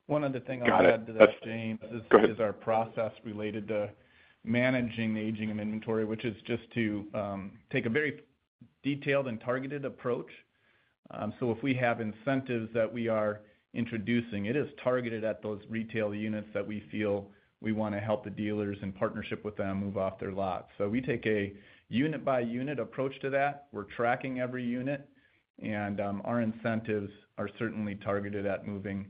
One other thing I'll add to that, James, is our process related to managing the aging of inventory, which is just to take a very detailed and targeted approach. So if we have incentives that we are introducing, it is targeted at those retail units that we feel we want to help the dealers in partnership with them move off their lots. So we take a unit-by-unit approach to that. We're tracking every unit, and our incentives are certainly targeted at moving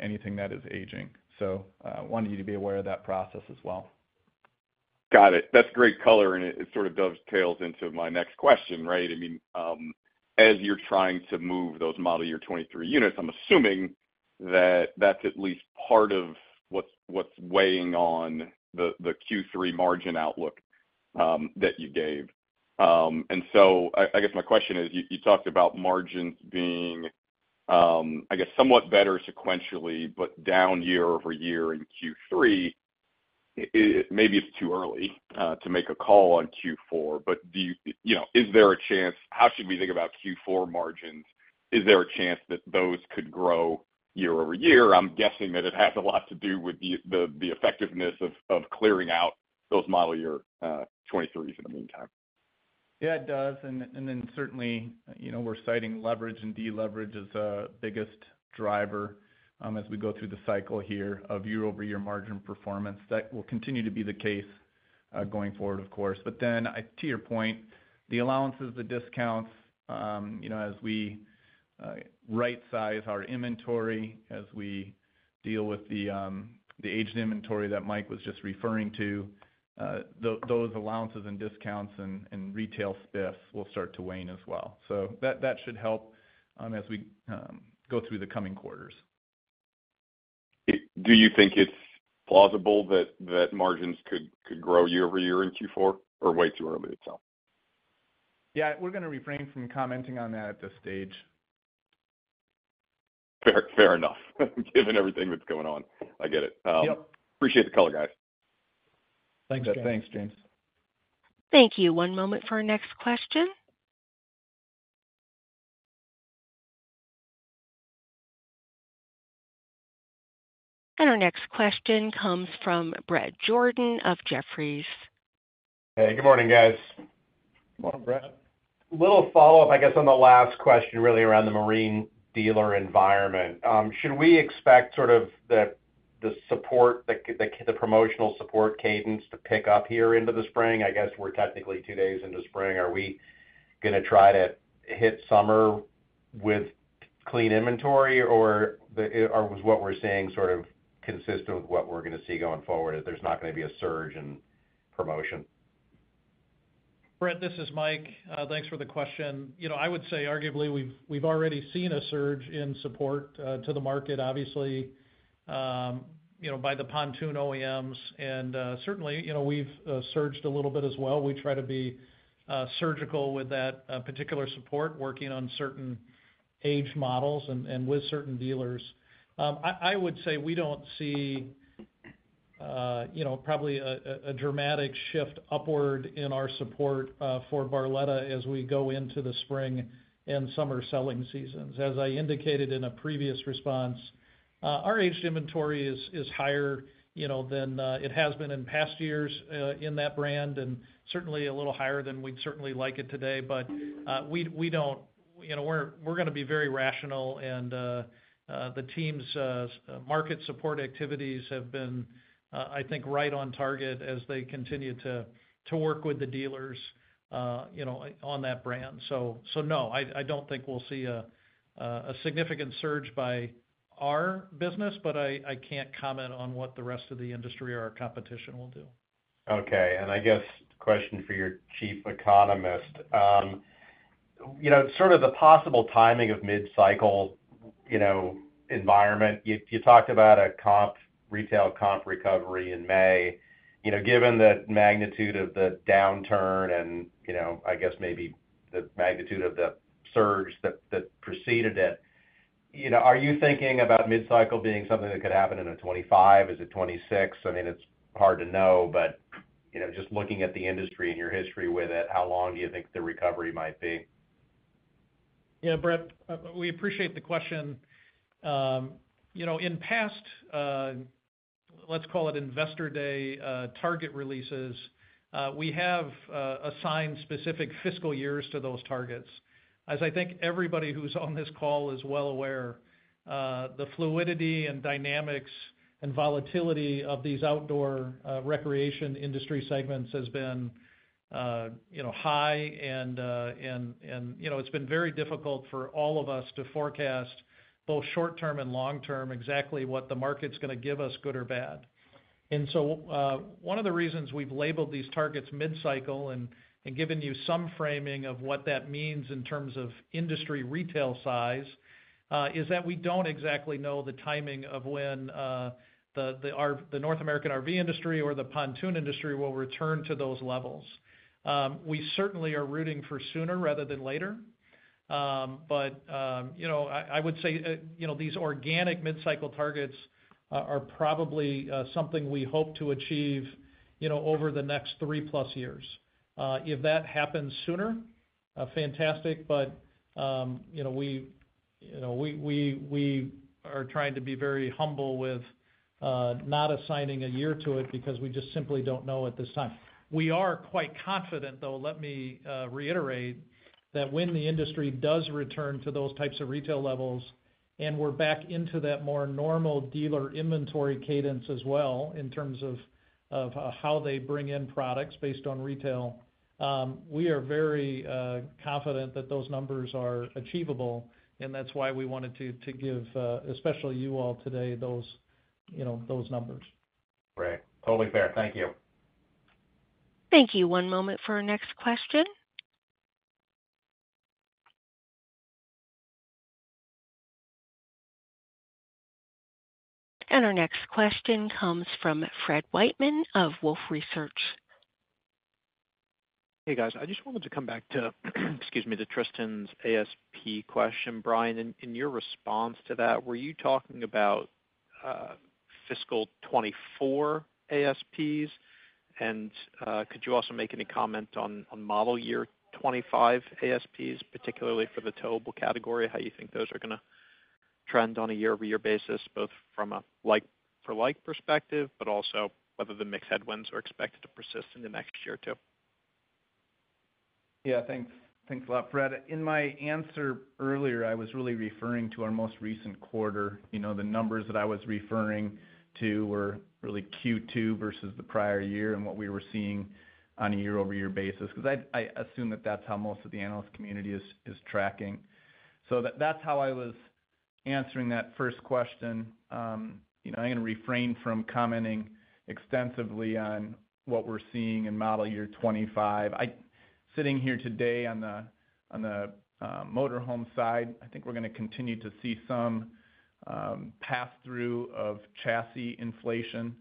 anything that is aging. So wanted you to be aware of that process as well. Got it. That's great color, and it sort of dovetails into my next question, right? I mean, as you're trying to move those model year 2023 units, I'm assuming that that's at least part of what's weighing on the Q3 margin outlook that you gave. And so I guess my question is, you talked about margins being, I guess, somewhat better sequentially, but down year-over-year in Q3. Maybe it's too early to make a call on Q4, but is there a chance? How should we think about Q4 margins? Is there a chance that those could grow year-over-year? I'm guessing that it has a lot to do with the effectiveness of clearing out those model year 2023s in the meantime. Yeah, it does. And then certainly, we're citing leverage and deleverage as the biggest driver as we go through the cycle here of year-over-year margin performance. That will continue to be the case going forward, of course. But then to your point, the allowances, the discounts, as we right-size our inventory, as we deal with the aged inventory that Mike was just referring to, those allowances and discounts and retail SPIFFs will start to wane as well. So that should help as we go through the coming quarters. Do you think it's plausible that margins could grow year-over-year in Q4 or way too early itself? Yeah, we're going to refrain from commenting on that at this stage. Fair enough. Given everything that's going on, I get it. Appreciate the color, guys. Thanks, guys. Thanks, James. Thank you. One moment for our next question. Our next question comes from Bret Jordan of Jefferies. Hey, good morning, guys. Good morning, Bret. little follow-up, I guess, on the last question, really, around the marine dealer environment. Should we expect sort of the promotional support cadence to pick up here into the spring? I guess we're technically two days into spring. Are we going to try to hit summer with clean inventory, or was what we're seeing sort of consistent with what we're going to see going forward, that there's not going to be a surge in promotion? Bret, this is Mike. Thanks for the question. I would say, arguably, we've already seen a surge in support to the market, obviously, by the pontoon OEMs. Certainly, we've surged a little bit as well. We try to be surgical with that particular support, working on certain aged models and with certain dealers. I would say we don't see probably a dramatic shift upward in our support for Barletta as we go into the spring and summer selling seasons. As I indicated in a previous response, our aged inventory is higher than it has been in past years in that brand and certainly a little higher than we'd certainly like it today. But we don't, we're going to be very rational, and the team's market support activities have been, I think, right on target as they continue to work with the dealers on that brand. So no, I don't think we'll see a significant surge by our business, but I can't comment on what the rest of the industry or our competition will do. Okay. I guess question for your chief economist. Sort of the possible timing of mid-cycle environment, you talked about a retail comp recovery in May. Given the magnitude of the downturn and, I guess, maybe the magnitude of the surge that preceded it, are you thinking about mid-cycle being something that could happen in 2025? Is it 2026? I mean, it's hard to know, but just looking at the industry and your history with it, how long do you think the recovery might be? Yeah, Bret, we appreciate the question. In past, let's call it investor day target releases, we have assigned specific fiscal years to those targets. As I think everybody who's on this call is well aware, the fluidity and dynamics and volatility of these outdoor recreation industry segments has been high, and it's been very difficult for all of us to forecast both short-term and long-term exactly what the market's going to give us, good or bad. And so one of the reasons we've labeled these targets mid-cycle and given you some framing of what that means in terms of industry retail size is that we don't exactly know the timing of when the North American RV industry or the pontoon industry will return to those levels. We certainly are rooting for sooner rather than later. I would say these organic mid-cycle targets are probably something we hope to achieve over the next three-plus years. If that happens sooner, fantastic, but we are trying to be very humble with not assigning a year to it because we just simply don't know at this time. We are quite confident, though, let me reiterate, that when the industry does return to those types of retail levels and we're back into that more normal dealer inventory cadence as well in terms of how they bring in products based on retail, we are very confident that those numbers are achievable, and that's why we wanted to give, especially you all today, those numbers. But great. Totally fair. Thank you. Thank you. One moment for our next question. Our next question comes from Fred Wightman of Wolfe Research. Hey, guys. I just wanted to come back to, excuse me, to Tristan's ASP question, Bryan. In your response to that, were you talking about fiscal 2024 ASPs? And could you also make any comment on model year 2025 ASPs, particularly for the towable category, how you think those are going to trend on a year-over-year basis, both from a like-for-like perspective, but also whether the mix headwinds are expected to persist in the next year or two? Yeah, thanks a lot, Fred. In my answer earlier, I was really referring to our most recent quarter. The numbers that I was referring to were really Q2 versus the prior year and what we were seeing on a year-over-year basis because I assume that that's how most of the analyst community is tracking. So that's how I was answering that first question. I'm going to refrain from commenting extensively on what we're seeing in model year 2025. Sitting here today on the motorhome side, I think we're going to continue to see some pass-through of chassis inflation.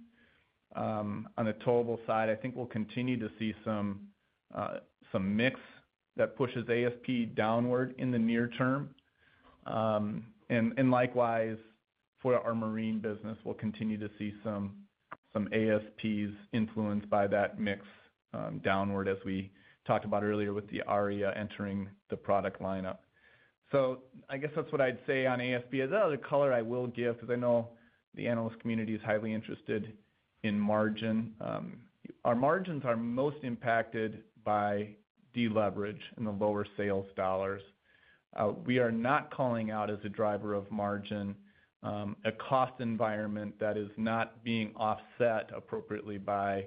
On the towable side, I think we'll continue to see some mix that pushes ASP downward in the near term. And likewise, for our marine business, we'll continue to see some ASPs influenced by that mix downward, as we talked about earlier with the Aria entering the product lineup. So I guess that's what I'd say on ASP. The other color I will give because I know the analyst community is highly interested in margin. Our margins are most impacted by deleverage and the lower sales dollars. We are not calling out as a driver of margin a cost environment that is not being offset appropriately by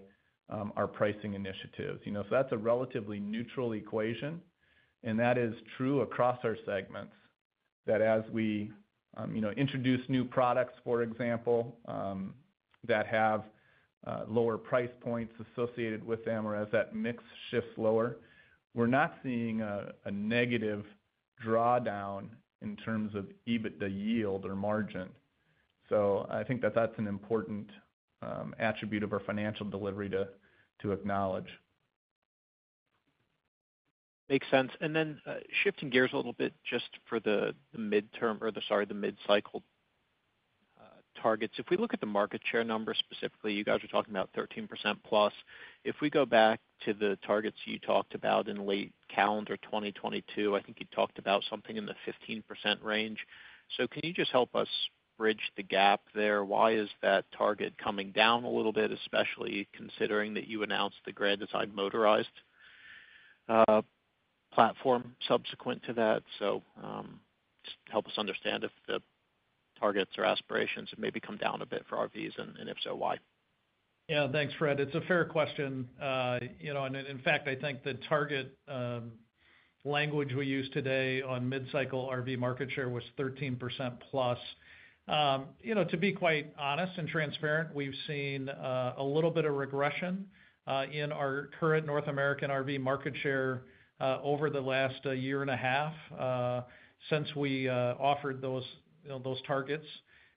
our pricing initiatives. So that's a relatively neutral equation. And that is true across our segments, that as we introduce new products, for example, that have lower price points associated with them or as that mix shifts lower, we're not seeing a negative drawdown in terms of EBITDA yield or margin. So I think that that's an important attribute of our financial delivery to acknowledge. Makes sense. And then shifting gears a little bit just for the midterm or, sorry, the mid-cycle targets, if we look at the market share numbers specifically, you guys were talking about 13%+. If we go back to the targets you talked about in late calendar 2022, I think you talked about something in the 15% range. So can you just help us bridge the gap there? Why is that target coming down a little bit, especially considering that you announced the Grand Design Motorized platform subsequent to that? So just help us understand if the targets or aspirations have maybe come down a bit for RVs, and if so, why? Yeah, thanks, Fred. It's a fair question. And in fact, I think the target language we used today on mid-cycle RV market share was 13%+. To be quite honest and transparent, we've seen a little bit of regression in our current North American RV market share over the last year and a half since we offered those targets.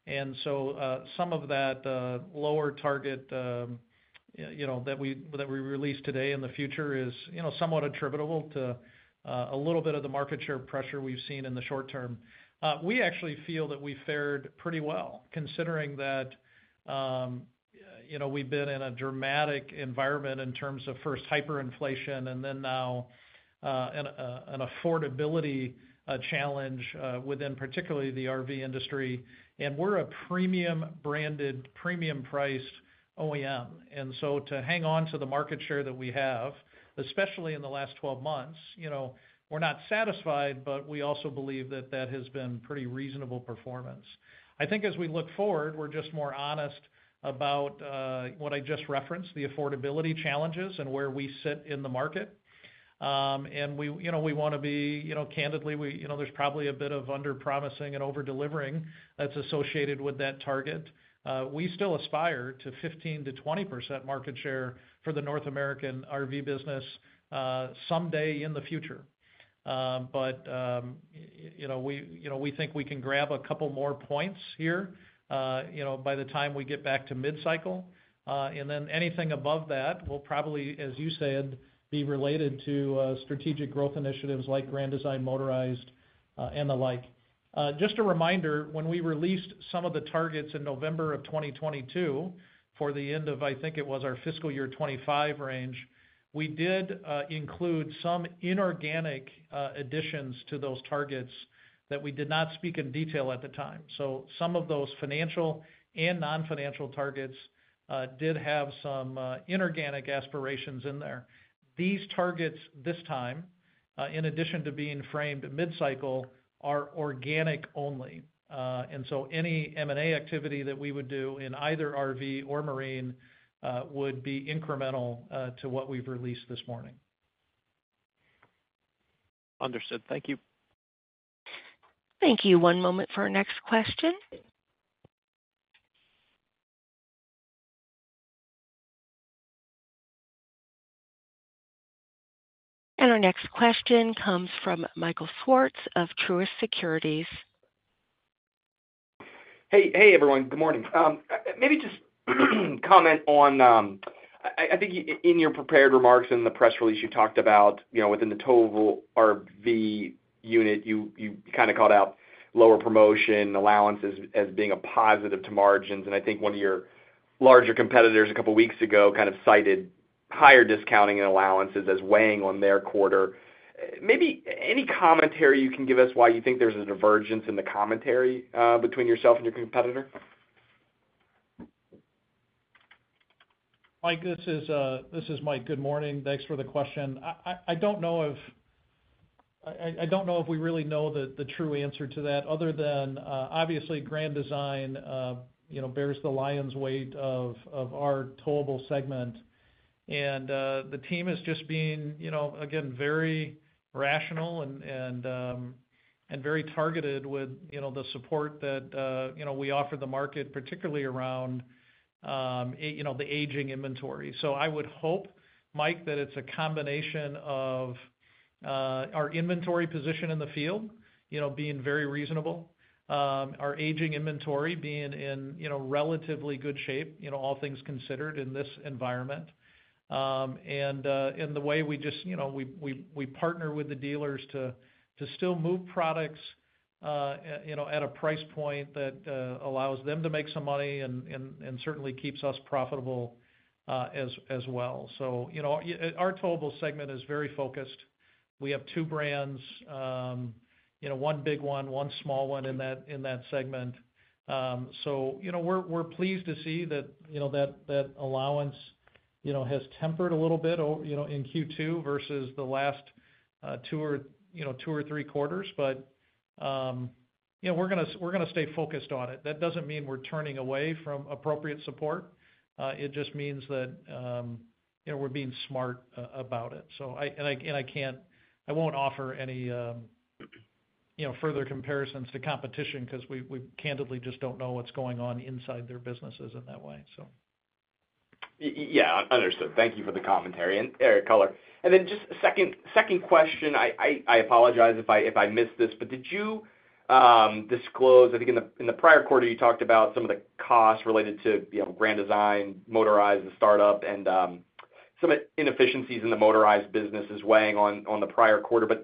And so some of that lower target that we released today in the future is somewhat attributable to a little bit of the market share pressure we've seen in the short term. We actually feel that we fared pretty well considering that we've been in a dramatic environment in terms of first hyperinflation and then now an affordability challenge within particularly the RV industry. And we're a premium-branded, premium-priced OEM. So to hang on to the market share that we have, especially in the last 12 months, we're not satisfied, but we also believe that that has been pretty reasonable performance. I think as we look forward, we're just more honest about what I just referenced, the affordability challenges and where we sit in the market. And we want to be candidly, there's probably a bit of underpromising and overdelivering that's associated with that target. We still aspire to 15%-20% market share for the North American RV business someday in the future. But we think we can grab a couple more points here by the time we get back to mid-cycle. And then anything above that will probably, as you said, be related to strategic growth initiatives like Grand Design Motorized and the like. Just a reminder, when we released some of the targets in November of 2022 for the end of, I think it was our fiscal year 2025 range, we did include some inorganic additions to those targets that we did not speak in detail at the time. So some of those financial and non-financial targets did have some inorganic aspirations in there. These targets this time, in addition to being framed mid-cycle, are organic only. And so any M&A activity that we would do in either RV or marine would be incremental to what we've released this morning. Understood. Thank you. Thank you. One moment for our next question. Our next question comes from Michael Swartz of Truist Securities. Hey, everyone. Good morning. Maybe just comment on I think in your prepared remarks in the press release, you talked about within the towable RV unit, you kind of called out lower promotion allowances as being a positive to margins. And I think one of your larger competitors a couple of weeks ago kind of cited higher discounting and allowances as weighing on their quarter. Maybe any commentary you can give us why you think there's a divergence in the commentary between yourself and your competitor? Mike, this is Mike. Good morning. Thanks for the question. I don't know if we really know the true answer to that other than, obviously, Grand Design bears the lion's weight of our towable segment. And the team is just being, again, very rational and very targeted with the support that we offer the market, particularly around the aging inventory. So I would hope, Mike, that it's a combination of our inventory position in the field being very reasonable, our aging inventory being in relatively good shape, all things considered, in this environment, and the way we just partner with the dealers to still move products at a price point that allows them to make some money and certainly keeps us profitable as well. So our towable segment is very focused. We have two brands, one big one, one small one in that segment. We're pleased to see that that allowance has tempered a little bit in Q2 versus the last two or three quarters. But we're going to stay focused on it. That doesn't mean we're turning away from appropriate support. It just means that we're being smart about it. And I won't offer any further comparisons to competition because we candidly just don't know what's going on inside their businesses in that way, so. Yeah, understood. Thank you for the commentary and color. And then just second question, I apologize if I missed this, but did you disclose? I think in the prior quarter, you talked about some of the costs related to Grand Design Motorized, the startup, and some inefficiencies in the motorized businesses weighing on the prior quarter. But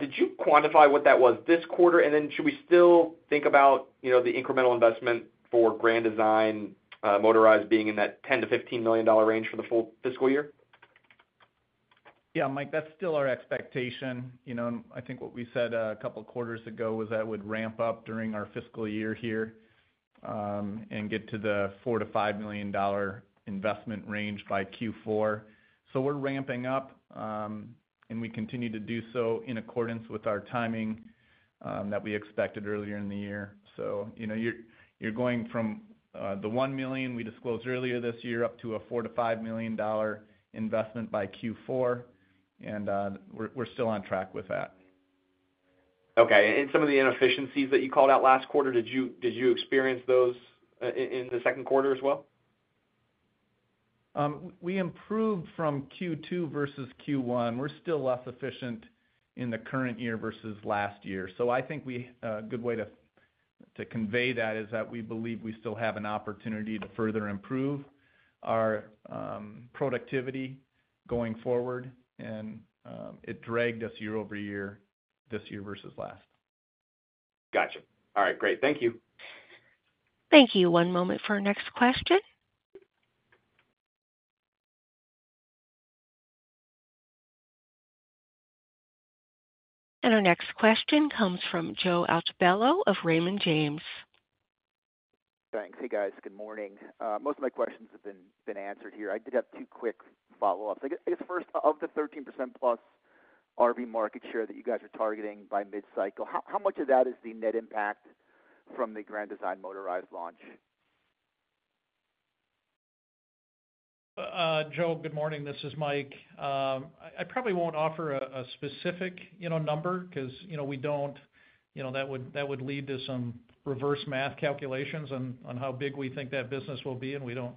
did you quantify what that was this quarter? And then should we still think about the incremental investment for Grand Design Motorized being in that $10 million-$15 million range for the full fiscal year? Yeah, Mike, that's still our expectation. I think what we said a couple of quarters ago was that would ramp up during our fiscal year here and get to the $4 million-$5 million investment range by Q4. So we're ramping up, and we continue to do so in accordance with our timing that we expected earlier in the year. So you're going from the $1 million we disclosed earlier this year up to a $4 million-$5 million investment by Q4. And we're still on track with that. Okay. And some of the inefficiencies that you called out last quarter, did you experience those in the second quarter as well? We improved from Q2 versus Q1. We're still less efficient in the current year versus last year. So I think a good way to convey that is that we believe we still have an opportunity to further improve our productivity going forward. And it dragged us year-over-year this year versus last. Gotcha. All right. Great. Thank you. Thank you. One moment for our next question. Our next question comes from Joe Altibello of Raymond James. Thanks. Hey, guys. Good morning. Most of my questions have been answered here. I did have two quick follow-ups. I guess first, of the 13% plus RV market share that you guys are targeting by mid-cycle, how much of that is the net impact from the Grand Design Motorized launch? Joe, good morning. This is Mike. I probably won't offer a specific number because we don't want that would lead to some reverse math calculations on how big we think that business will be. And we don't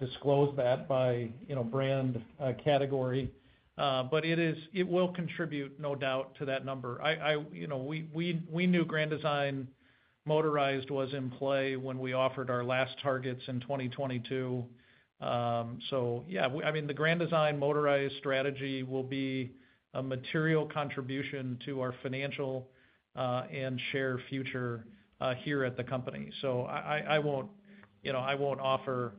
disclose that by brand category. But it will contribute, no doubt, to that number. We knew Grand Design Motorized was in play when we offered our last targets in 2022. So yeah, I mean, the Grand Design Motorized strategy will be a material contribution to our financial and share future here at the company. So I won't offer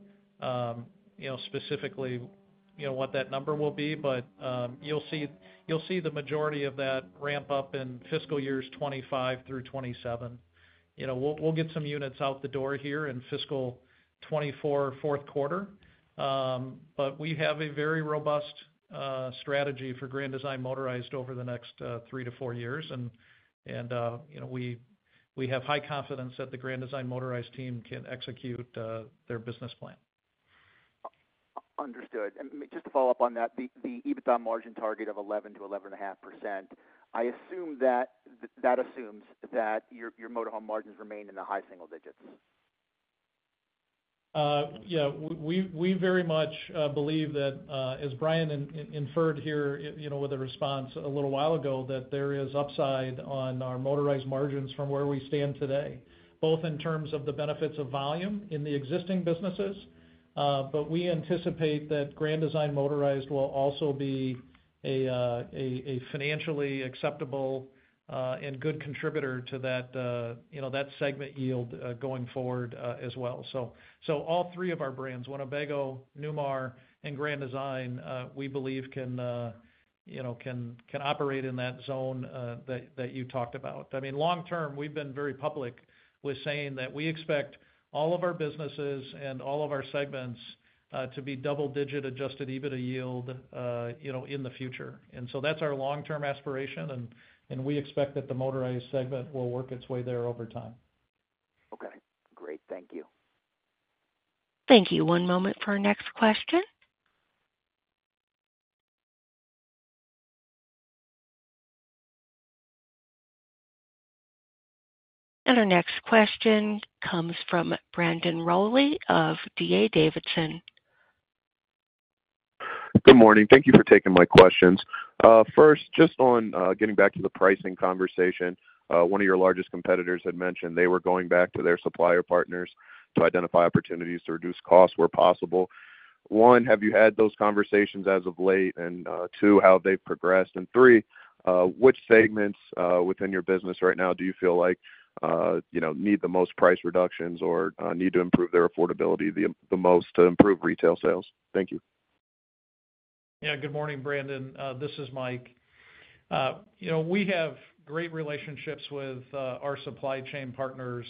specifically what that number will be. But you'll see the majority of that ramp up in fiscal years 2025 through 2027. We'll get some units out the door here in fiscal 2024 fourth quarter. But we have a very robust strategy for Grand Design Motorized over the next three to four years. We have high confidence that the Grand Design Motorized team can execute their business plan. Understood. And just to follow up on that, the EBITDA margin target of 11%-11.5%, I assume that that assumes that your motorhome margins remain in the high single digits. Yeah, we very much believe that, as Bryan inferred here with a response a little while ago, that there is upside on our motorized margins from where we stand today, both in terms of the benefits of volume in the existing businesses. But we anticipate that Grand Design Motorized will also be a financially acceptable and good contributor to that segment yield going forward as well. So all three of our brands, Winnebago, Newmar, and Grand Design, we believe can operate in that zone that you talked about. I mean, long term, we've been very public with saying that we expect all of our businesses and all of our segments to be double-digit Adjusted EBITDA yield in the future. And so that's our long-term aspiration. And we expect that the motorized segment will work its way there over time. Okay. Great. Thank you. Thank you. One moment for our next question. Our next question comes from Brandon Rolle of D.A. Davidson. Good morning. Thank you for taking my questions. First, just on getting back to the pricing conversation, one of your largest competitors had mentioned they were going back to their supplier partners to identify opportunities to reduce costs where possible. One, have you had those conversations as of late? And two, how have they progressed? And three, which segments within your business right now do you feel like need the most price reductions or need to improve their affordability the most to improve retail sales? Thank you. Yeah, good morning, Brandon. This is Mike. We have great relationships with our supply chain partners.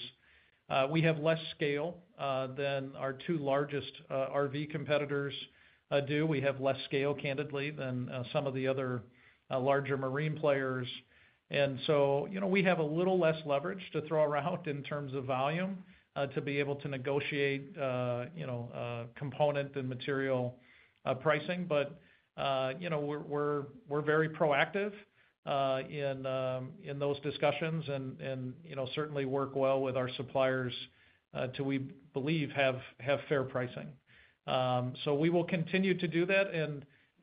We have less scale than our two largest RV competitors do. We have less scale, candidly, than some of the other larger marine players. And so we have a little less leverage to throw around in terms of volume to be able to negotiate component and material pricing. But we're very proactive in those discussions and certainly work well with our suppliers until we believe we have fair pricing. So we will continue to do that.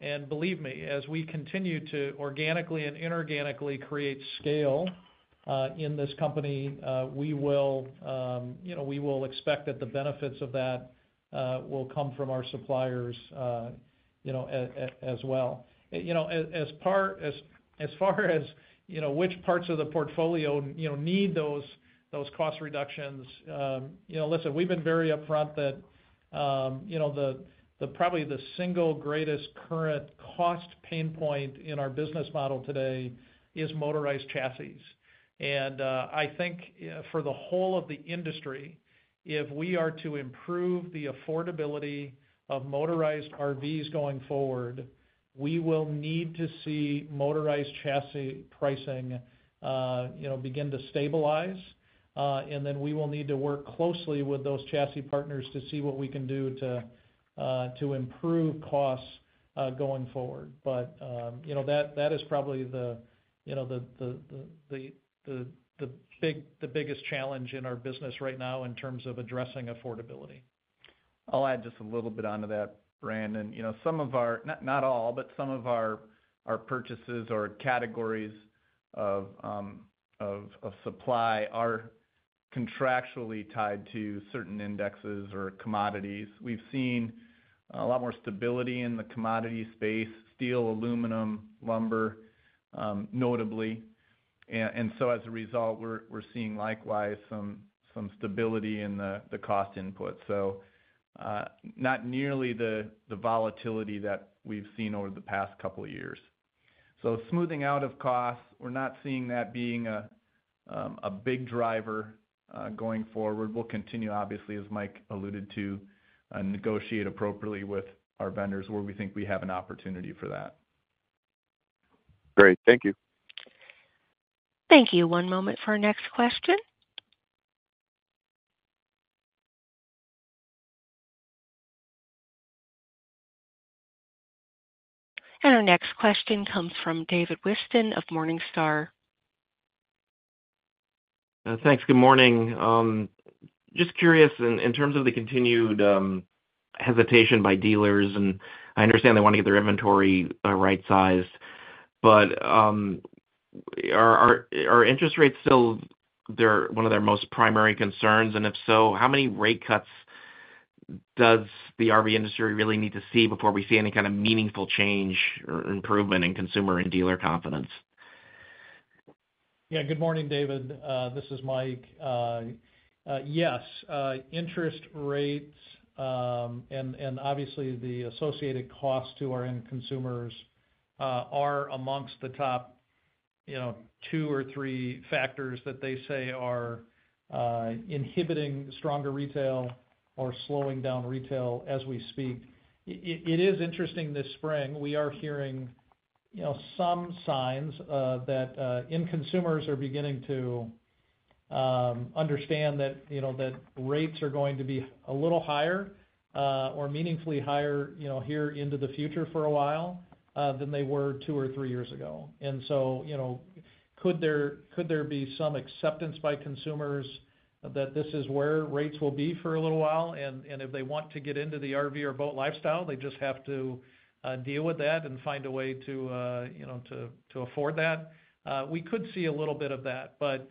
And believe me, as we continue to organically and inorganically create scale in this company, we will expect that the benefits of that will come from our suppliers as well. As far as which parts of the portfolio need those cost reductions, listen, we've been very upfront that probably the single greatest current cost pain point in our business model today is motorized chassis. And I think for the whole of the industry, if we are to improve the affordability of motorized RVs going forward, we will need to see motorized chassis pricing begin to stabilize. And then we will need to work closely with those chassis partners to see what we can do to improve costs going forward. But that is probably the biggest challenge in our business right now in terms of addressing affordability. I'll add just a little bit onto that, Brandon. Some of our, not all, but some of our purchases or categories of supply are contractually tied to certain indexes or commodities. We've seen a lot more stability in the commodity space, steel, aluminum, lumber, notably. And so as a result, we're seeing likewise some stability in the cost input, so not nearly the volatility that we've seen over the past couple of years. So smoothing out of costs, we're not seeing that being a big driver going forward. We'll continue, obviously, as Mike alluded to, negotiate appropriately with our vendors where we think we have an opportunity for that. Great. Thank you. Thank you. One moment for our next question. Our next question comes from David Whiston of Morningstar. Thanks. Good morning. Just curious, in terms of the continued hesitation by dealers and I understand they want to get their inventory right-sized, but are interest rates still one of their most primary concerns? And if so, how many rate cuts does the RV industry really need to see before we see any kind of meaningful change or improvement in consumer and dealer confidence? Yeah, good morning, David. This is Mike. Yes, interest rates and obviously the associated costs to our end consumers are amongst the top two or three factors that they say are inhibiting stronger retail or slowing down retail as we speak. It is interesting this spring. We are hearing some signs that end consumers are beginning to understand that rates are going to be a little higher or meaningfully higher here into the future for a while than they were two or three years ago. And so could there be some acceptance by consumers that this is where rates will be for a little while? And if they want to get into the RV or boat lifestyle, they just have to deal with that and find a way to afford that. We could see a little bit of that. But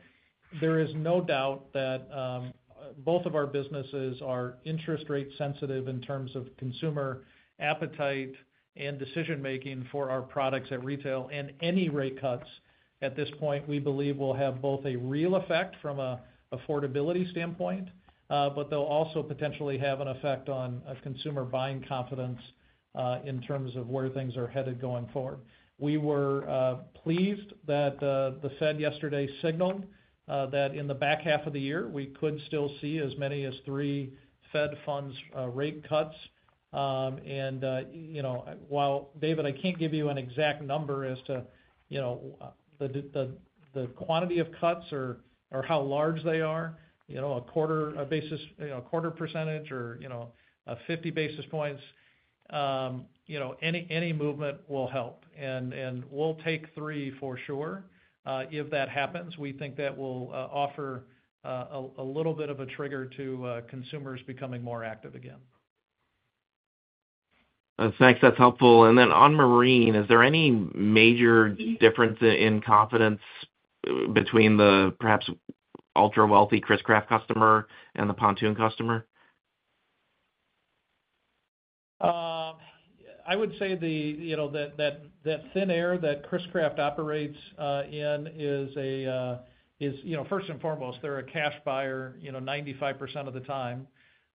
there is no doubt that both of our businesses are interest rate sensitive in terms of consumer appetite and decision-making for our products at retail. And any rate cuts at this point, we believe, will have both a real effect from an affordability standpoint, but they'll also potentially have an effect on consumer buying confidence in terms of where things are headed going forward. We were pleased that the Fed yesterday signaled that in the back half of the year, we could still see as many as 3 Fed funds rate cuts. And while, David, I can't give you an exact number as to the quantity of cuts or how large they are, 25 basis points, a quarter percentage or 50 basis points, any movement will help. And we'll take 3 for sure. If that happens, we think that will offer a little bit of a trigger to consumers becoming more active again. Thanks. That's helpful. And then on marine, is there any major difference in confidence between the perhaps ultra-wealthy Chris-Craft customer and the pontoon customer? I would say that that thin air that Chris-Craft operates in is a first and foremost, they're a cash buyer 95% of the time.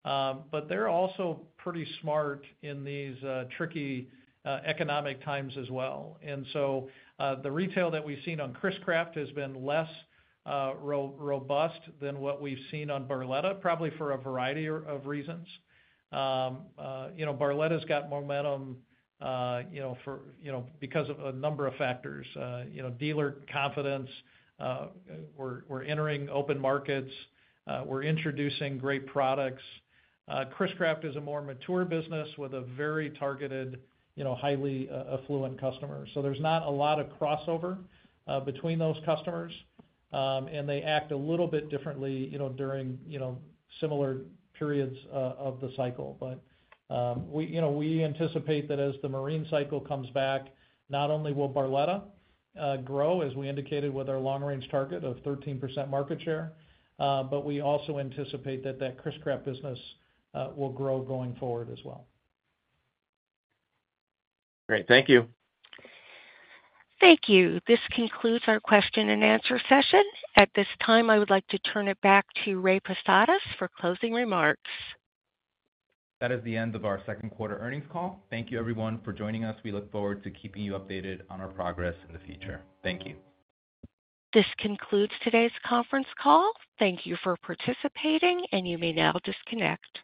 But they're also pretty smart in these tricky economic times as well. And so the retail that we've seen on Chris-Craft has been less robust than what we've seen on Barletta, probably for a variety of reasons. Barletta's got momentum because of a number of factors, dealer confidence. We're entering open markets. We're introducing great products. Chris-Craft is a more mature business with a very targeted, highly affluent customer. So there's not a lot of crossover between those customers. And they act a little bit differently during similar periods of the cycle. But we anticipate that as the marine cycle comes back, not only will Barletta grow, as we indicated with our long-range target of 13% market share, but we also anticipate that that Chris-Craft business will grow going forward as well. Great. Thank you. Thank you. This concludes our question and answer session. At this time, I would like to turn it back to Ray Posadas for closing remarks. That is the end of our second quarter earnings call. Thank you, everyone, for joining us. We look forward to keeping you updated on our progress in the future. Thank you. This concludes today's conference call. Thank you for participating. You may now disconnect.